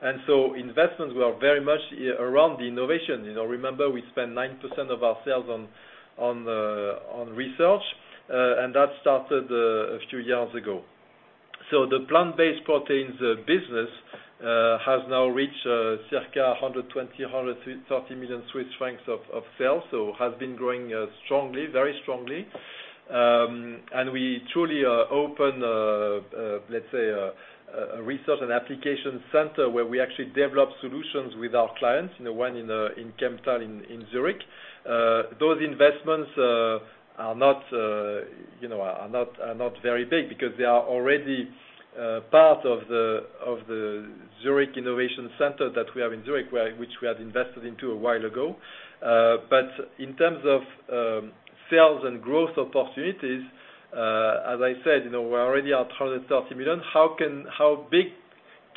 Investments were very much around the innovation. You know, remember we spent 9% of our sales on research and that started a few years ago. The plant-based proteins business has now reached circa 120 million-130 million Swiss francs of sales. Has been growing strongly, very strongly. We truly open, let's say, a research and application center where we actually develop solutions with our clients, you know, one in Kemptthal in Zurich. Those investments are not, you know, very big because they are already part of the Zurich Innovation Center that we have in Zurich, which we have invested into a while ago. In terms of sales and growth opportunities, as I said, you know, we already are at 130 million. How big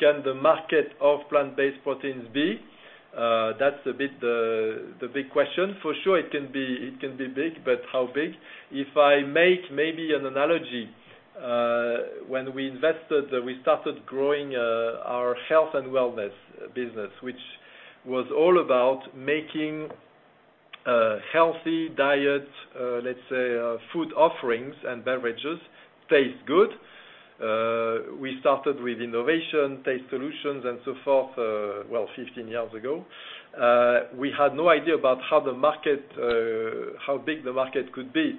can the market of plant-based proteins be? That's a bit the big question. For sure it can be, it can be big, but how big? If I make maybe an analogy, when we invested, we started growing our health and wellness business, which was all about making healthy diet, let's say, food offerings and beverages taste good. We started with innovation, taste solutions, and so forth, well, 15 years ago. We had no idea about how the market, how big the market could be.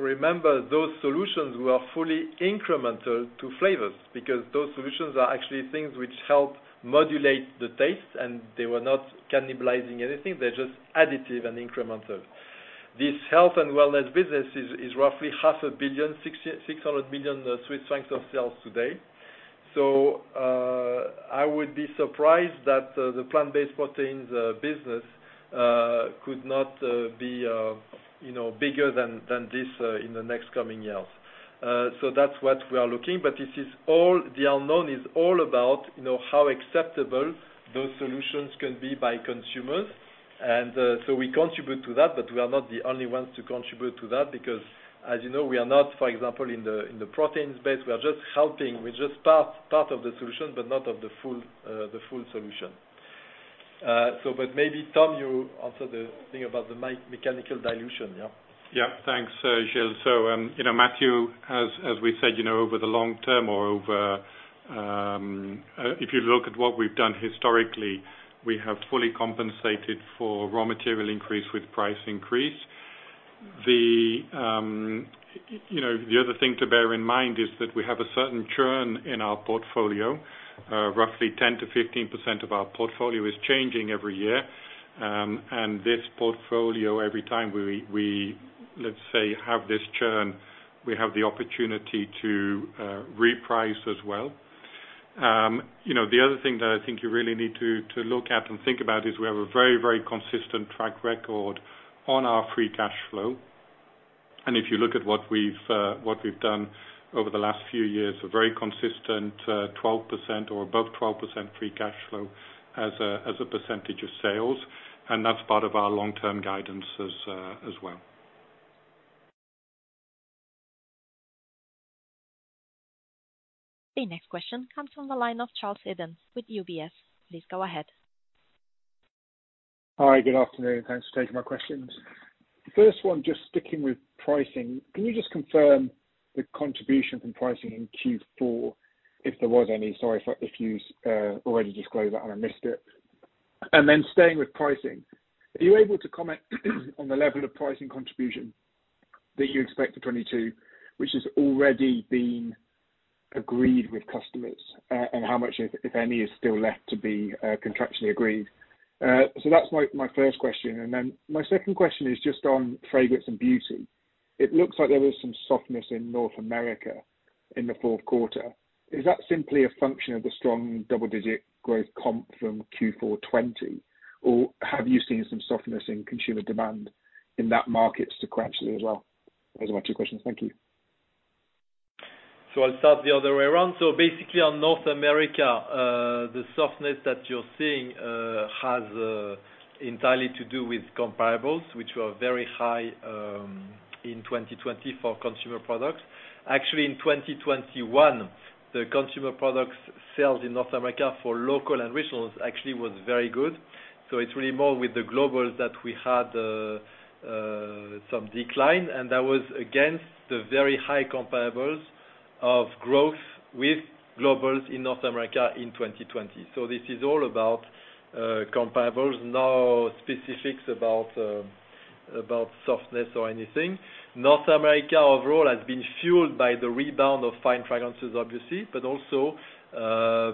Remember, those solutions were fully incremental to flavors, because those solutions are actually things which helped modulate the taste, and they were not cannibalizing anything. They're just additive and incremental. This health and wellness business is roughly 560 million Swiss francs of sales today. I would be surprised that the plant-based proteins business could not be, you know, bigger than this in the next coming years. That's what we are looking, but the unknown is all about, you know, how acceptable those solutions can be by consumers. We contribute to that, but we are not the only ones to contribute to that because as you know, we are not, for example, in the protein space, we are just helping. We're just part of the solution, but not of the full solution. Maybe Tom, you answer the thing about the mechanical dilution. Yeah. Thanks, Gilles. You know, Matthew, as we said, you know, over the long-term or over, if you look at what we've done historically, we have fully compensated for raw material increase with price increase. You know, the other thing to bear in mind is that we have a certain churn in our portfolio. Roughly 10%-15% of our portfolio is changing every year. This portfolio, every time we, let's say, have this churn, we have the opportunity to reprice as well. You know, the other thing that I think you really need to look at and think about is we have a very consistent track record on our free cash flow. If you look at what we've done over the last few years, a very consistent 12% or above 12% free cash flow as a percentage of sales. That's part of our long-term guidance as well. The next question comes from the line of Charles Eden with UBS. Please go ahead. Hi, good afternoon. Thanks for taking my questions. The first one, just sticking with pricing, can you just confirm the contribution from pricing in Q4, if there was any? Sorry if you already disclosed that and I missed it. Staying with pricing, are you able to comment on the level of pricing contribution that you expect in 2022, which has already been agreed with customers, and how much if any is still left to be contractually agreed? That's my first question. My second question is just on Fragrance and Beauty. It looks like there was some softness in North America in the Q4. Is that simply a function of the strong double-digit growth comp from Q4 2020, or have you seen some softness in consumer demand in that market sequentially as well? Those are my two questions. Thank you. I'll start the other way around. Basically on North America, the softness that you're seeing has entirely to do with comparables, which were very high in 2020 for Consumer Products. Actually, in 2021, the Consumer Products sales in North America for local and regionals actually was very good. It's really more with the globals that we had some decline, and that was against the very high comparables of growth with globals in North America in 2020. This is all about comparables, no specifics about about softness or anything. North America overall has been fueled by the rebound of Fine Fragrances, obviously, but also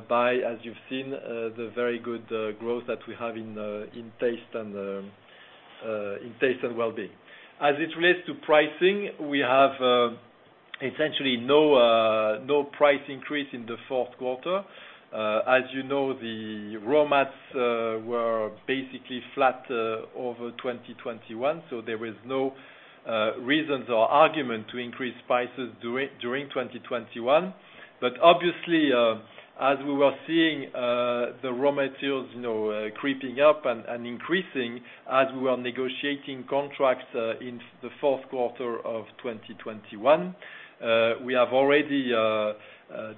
by, as you've seen, the very good growth that we have in Taste and Wellbeing. As it relates to pricing, we have essentially no price increase in the Q4. As you know, the raw materials were basically flat over 2021, so there is no reasons or argument to increase prices during 2021. Obviously, as we were seeing, the raw materials, you know, creeping up and increasing as we were negotiating contracts in the Q4 2021, we have already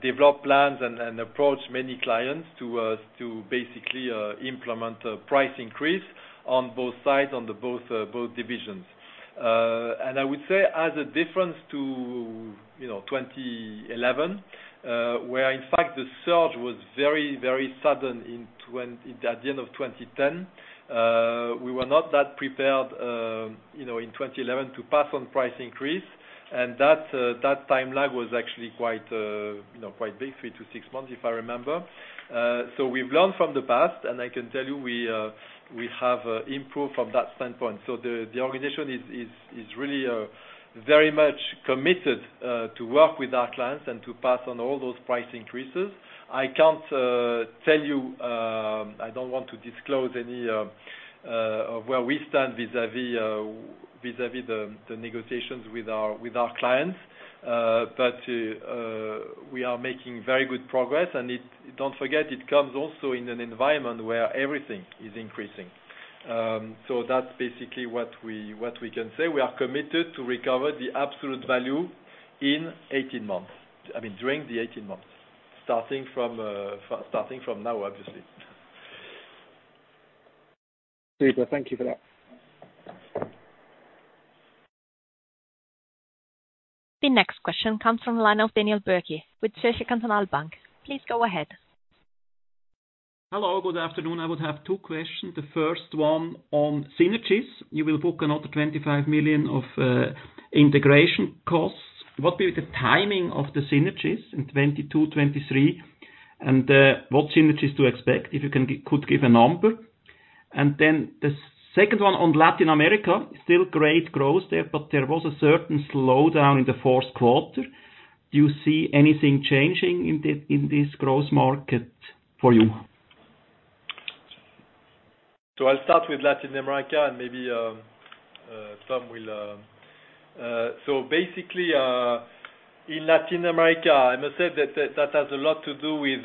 developed plans and approached many clients to basically implement a price increase on both sides, on both divisions. I would say as a difference to, you know, 2011, where in fact the surge was very, very sudden at the end of 2010, we were not that prepared, you know, in 2011 to pass on price increase. That timeline was actually quite, you know, quite big, 3-6 months, if I remember. We've learned from the past, and I can tell you we have improved from that standpoint. The organization is really very much committed to work with our clients and to pass on all those price increases. I can't tell you. I don't want to disclose any of where we stand vis-à-vis the negotiations with our clients. We are making very good progress, and don't forget it comes also in an environment where everything is increasing. That's basically what we can say. We are committed to recover the absolute value in 18 months. I mean, during the 18 months, starting from now, obviously. Super. Thank you for that. The next question comes from the line of Daniel Bürki with Zürcher Kantonalbank. Please go ahead. Hello, good afternoon. I would have two questions. The first one on synergies. You will book another 25 million of integration costs. What will be the timing of the synergies in 2022, 2023? And what synergies to expect, if you could give a number? And then the second one on Latin America, still great growth there, but there was a certain slowdown in the Q4. Do you see anything changing in this growth market for you? I'll start with Latin America, and maybe Tom will... Basically, in Latin America, I must say that that has a lot to do with,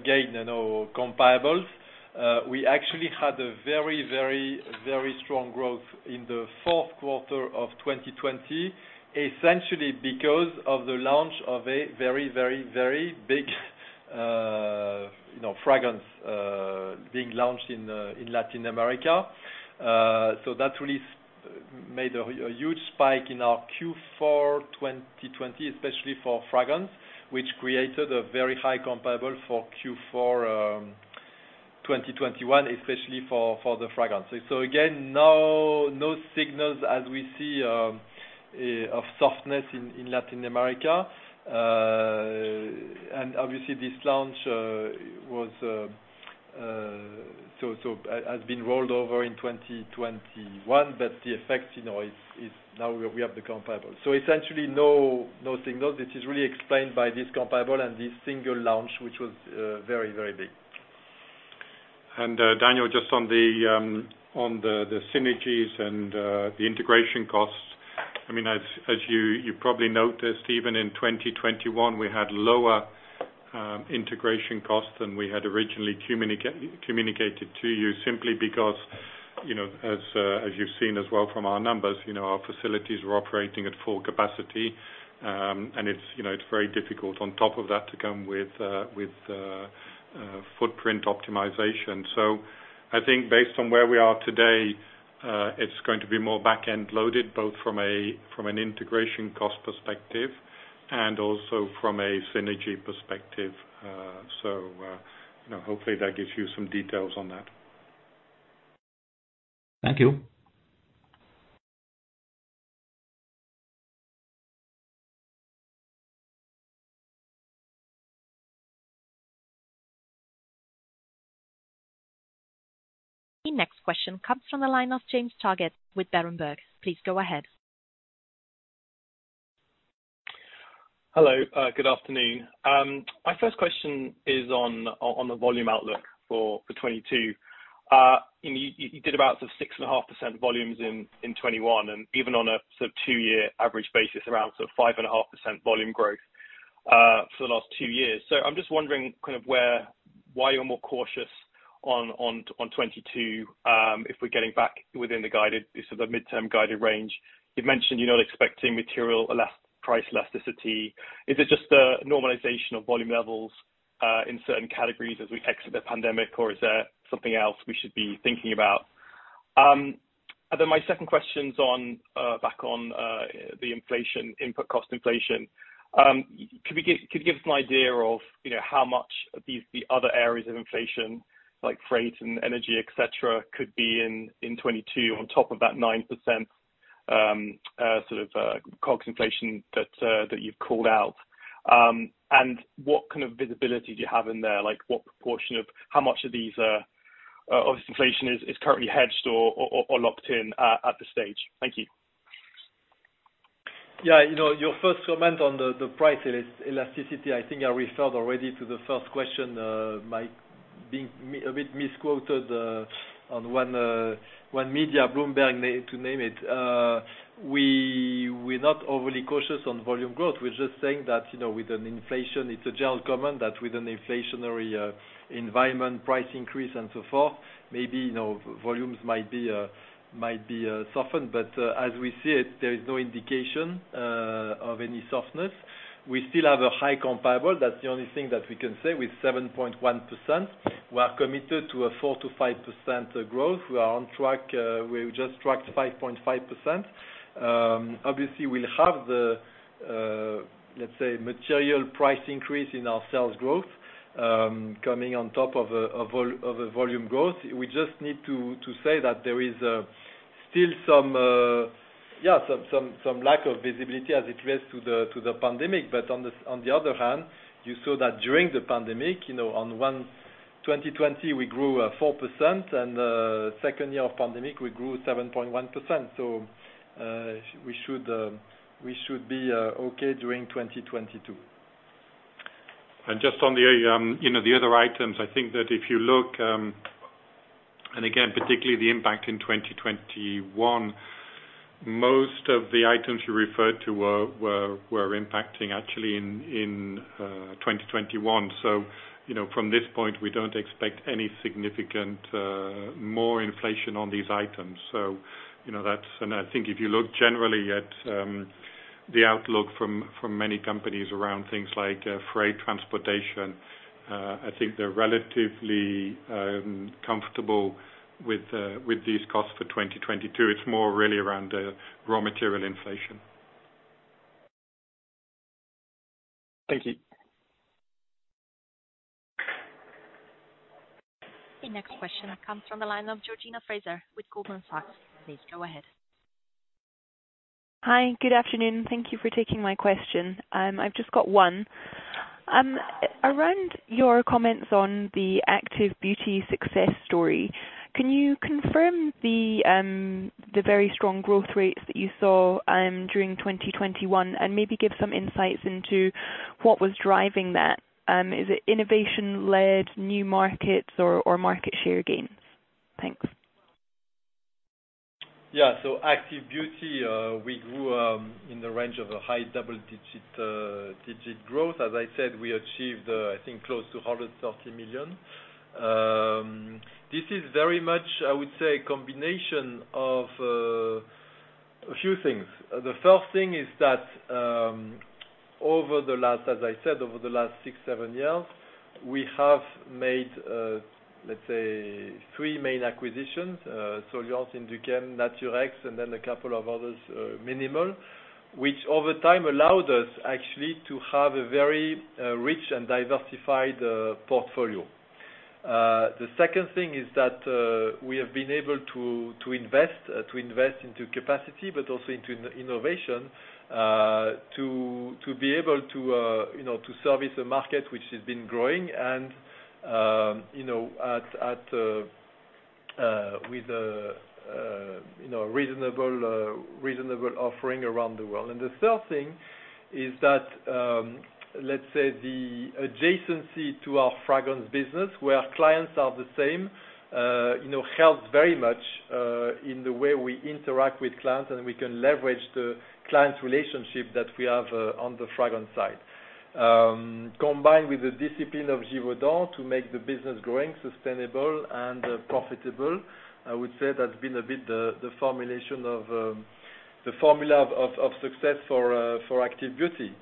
again, you know, comparables. We actually had a very strong growth in the Q4 2020, essentially because of the launch of a very big, you know, fragrance being launched in Latin America. So that really made a huge spike in our Q4 2020, especially for fragrance, which created a very high comparable for Q4 2021, especially for the fragrance. Again, no signals as we see of softness in Latin America. Obviously this launch has been rolled over in 2021, but the effect, you know, is now we have the comparable. Essentially no signals. This is really explained by this comparable and this single-launch, which was very big. Daniel, just on the synergies and the integration costs. I mean, as you probably noticed, even in 2021, we had lower integration costs than we had originally communicated to you, simply because, you know, as you've seen as well from our numbers, you know, our facilities were operating at full capacity. It's very difficult on top of that to come with footprint optimization. I think based on where we are today, it's going to be more back-end loaded, both from an integration cost perspective and also from a synergy perspective. You know, hopefully that gives you some details on that. Thank you. The next question comes from the line of James Targett with Berenberg. Please go ahead. Hello, good afternoon. My first question is on the volume outlook for 2022. You did about sort of 6.5% volumes in 2021, and even on a sort of two-year average basis, around sort of 5.5% volume growth for the last two years. I'm just wondering kind of why you're more cautious on 2022, if we're getting back within the guided, the sort of midterm guided range. You've mentioned you're not expecting material price elasticity. Is it just a normalization of volume levels in certain categories as we exit the pandemic, or is there something else we should be thinking about? Then my second question's on back on the inflation, input cost inflation. Could you give us an idea of, you know, how much of the other areas of inflation, like freight and energy, et cetera, could be in 2022 on top of that 9% COGS inflation that you've called out? What kind of visibility do you have in there? Like, what proportion of this inflation is currently hedged or locked in at this stage? Thank you. Yeah. You know, your first comment on the price elasticity, I think I referred already to the first question, might be a bit misquoted on one media, Bloomberg, namely to name it. We're not overly cautious on volume growth. We're just saying that, you know, with inflation, it's a general comment, that with an inflationary environment, price increase and so forth, maybe, you know, volumes might be softened. As we see it, there is no indication of any softness. We still have a high comparable, that's the only thing that we can say, with 7.1%. We are committed to a 4%-5% growth. We are on track, we've just tracked 5.5%. Obviously we'll have the, let's say, material price increase in our sales growth, coming on top of volume growth. We just need to say that there is still some lack of visibility as it relates to the pandemic. On the other hand, you saw that during the pandemic, you know, in 2020, we grew 4%. Second year of pandemic, we grew 7.1%. We should be okay during 2022. Just on the, you know, the other items, I think that if you look, and again, particularly the impact in 2021, most of the items you referred to were impacting actually in 2021. You know, from this point we don't expect any significant more inflation on these items. I think if you look generally at the outlook from many companies around things like freight, transportation, I think they're relatively comfortable with these costs for 2022. It's more really around raw material inflation. Thank you. The next question comes from the line of Georgina Fraser with Goldman Sachs. Please go ahead. Hi, good afternoon. Thank you for taking my question. I've just got one. Around your comments on the Active Beauty success story, can you confirm the very strong growth rates that you saw during 2021 and maybe give some insights into what was driving that? Is it innovation-led new markets or market share gains? Thanks. Active Beauty, we grew in the range of a high double-digit growth. As I said, we achieved, I think, close to 130 million. This is very much, I would say, combination of a few things. The first thing is that over the last six, seven years, we have made, let's say, three main acquisitions, Soliance, Induchem, Naturex, and then a couple of others, minimal, which over time allowed us actually to have a very rich and diversified portfolio. The second thing is that we have been able to invest into capacity, but also into innovation, to be able to, you know, to service a market which has been growing and you know with a reasonable offering around the world. The third thing is that let's say the adjacency to our fragrance business where our clients are the same, you know, helps very much in the way we interact with clients and we can leverage the clients' relationship that we have on the fragrance side. Combined with the discipline of Givaudan to make the business growing sustainable and profitable, I would say that's been a bit the formulation of the formula of success for Active Beauty.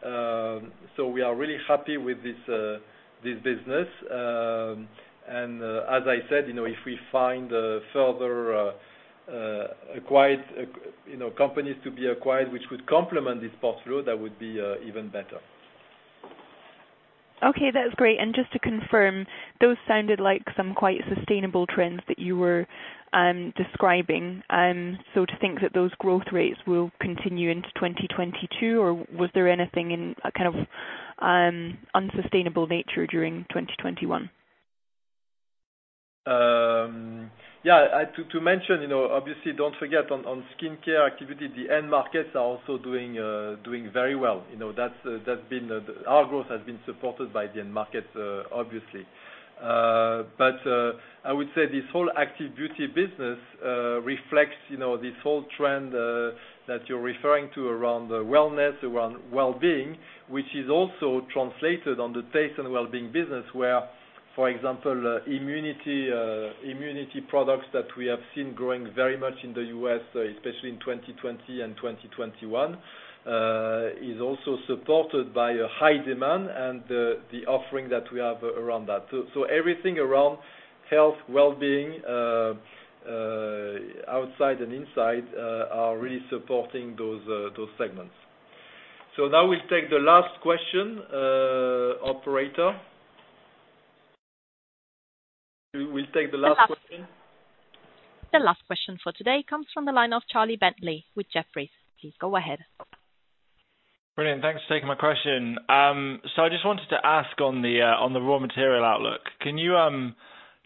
We are really happy with this business. As I said, you know, if we find further acquisitions, you know, companies to be acquired which would complement this portfolio, that would be even better. Okay, that's great. Just to confirm, those sounded like some quite sustainable trends that you were describing. To think that those growth rates will continue into 2022, or was there anything in a kind of unsustainable nature during 2021? To mention, you know, obviously don't forget on skincare activity, the end markets are also doing very well. You know, that's been. Our growth has been supported by the end markets, obviously. I would say this whole Active Beauty business reflects, you know, this whole trend that you're referring to around wellness, around wellbeing, which is also translated on the Taste and Wellbeing business where, for example, immunity products that we have seen growing very much in the US, especially in 2020 and 2021, is also supported by a high demand and the offering that we have around that. Everything around health, wellbeing, outside and inside are really supporting those segments. Now we'll take the last question, operator. We'll take the last question. The last question for today comes from the line of Charlie Bentley with Jefferies. Please go ahead. Brilliant. Thanks for taking my question. So I just wanted to ask on the raw material outlook, can you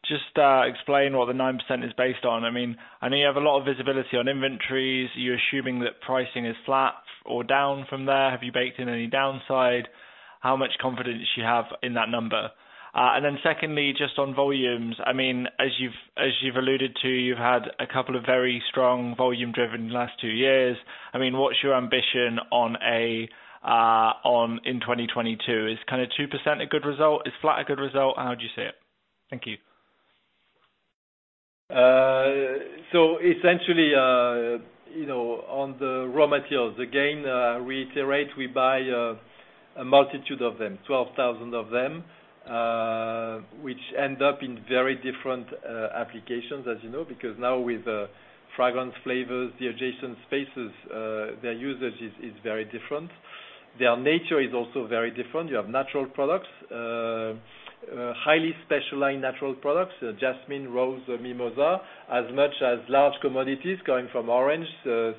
just explain what the 9% is based on? I mean, I know you have a lot of visibility on inventories. Are you assuming that pricing is flat or down from there? Have you baked in any downside? How much confidence do you have in that number? And then secondly, just on volumes, I mean, as you've alluded to, you've had a couple of very strong volume driven the last two years. I mean, what's your ambition on in 2022? Is kinda 2% a good result? Is flat a good result? How would you see it? Thank you. Essentially, you know, on the raw materials, again, we iterate, we buy a multitude of them, 12,000 of them, which end up in very different applications as you know, because now with fragrance, flavors, the adjacent spaces, their usage is very different. Their nature is also very different. You have natural products, highly specialized natural products, jasmine, rose, mimosa, as much as large commodities going from orange,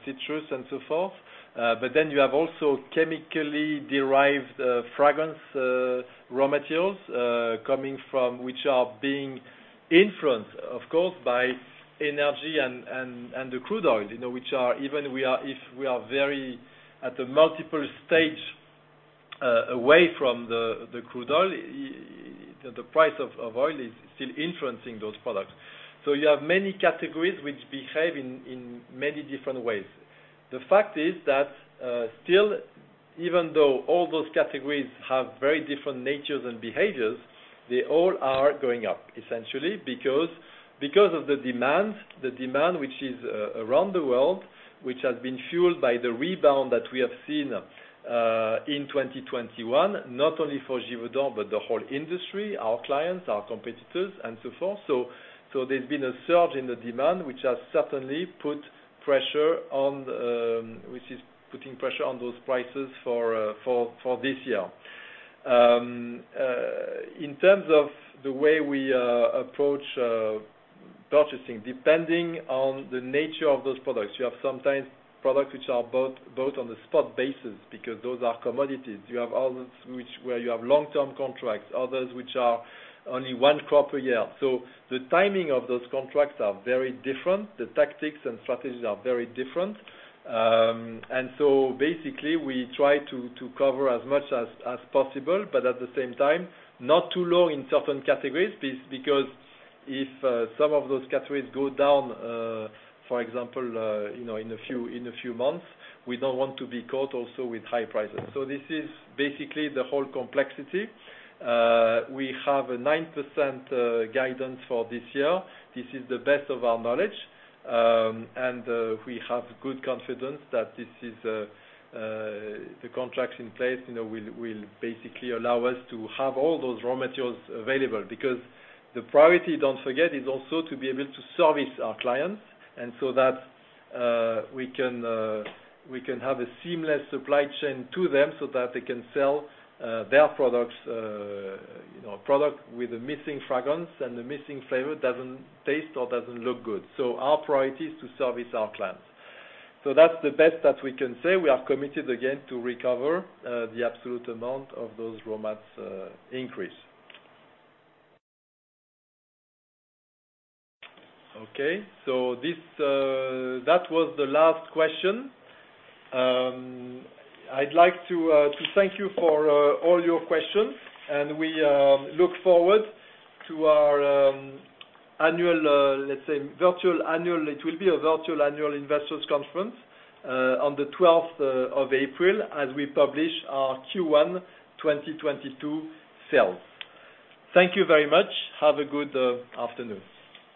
citrus and so forth. But then you have also chemically derived fragrance raw materials coming from which are being influenced, of course, by energy and the crude oil, you know, which are even we are if we are very at a multiple stage away from the crude oil, the price of oil is still influencing those products. You have many categories which behave in many different ways. The fact is that still, even though all those categories have very different natures and behaviors, they all are going up essentially because of the demand. The demand which is around the world, which has been fueled by the rebound that we have seen in 2021, not only for Givaudan but the whole industry, our clients, our competitors and so forth. There's been a surge in the demand, which is putting pressure on those prices for this year. In terms of the way we approach purchasing, depending on the nature of those products, you have sometimes products which are bought on a spot basis because those are commodities. You have others which where you have long-term contracts, others which are only one crop a year. The timing of those contracts are very different. The tactics and strategies are very different. Basically we try to cover as much as possible, but at the same time, not too low in certain categories because if some of those categories go down, for example, you know, in a few months, we don't want to be caught also with high prices. This is basically the whole complexity. We have a 9% guidance for this year. This is the best of our knowledge. We have good confidence that this is the contracts in place, you know, will basically allow us to have all those raw materials available. Because the priority, don't forget, is also to be able to service our clients and so that we can have a seamless supply chain to them so that they can sell their products, you know. A product with a missing fragrance and a missing flavor doesn't taste or doesn't look good. Our priority is to service our clients. That's the best that we can say. We are committed again to recover the absolute amount of those raw materials increase. Okay. That was the last question. I'd like to thank you for all your questions and we look forward to our virtual annual investors conference on the twelfth of April as we publish our Q1 2022 sales. Thank you very much. Have a good afternoon.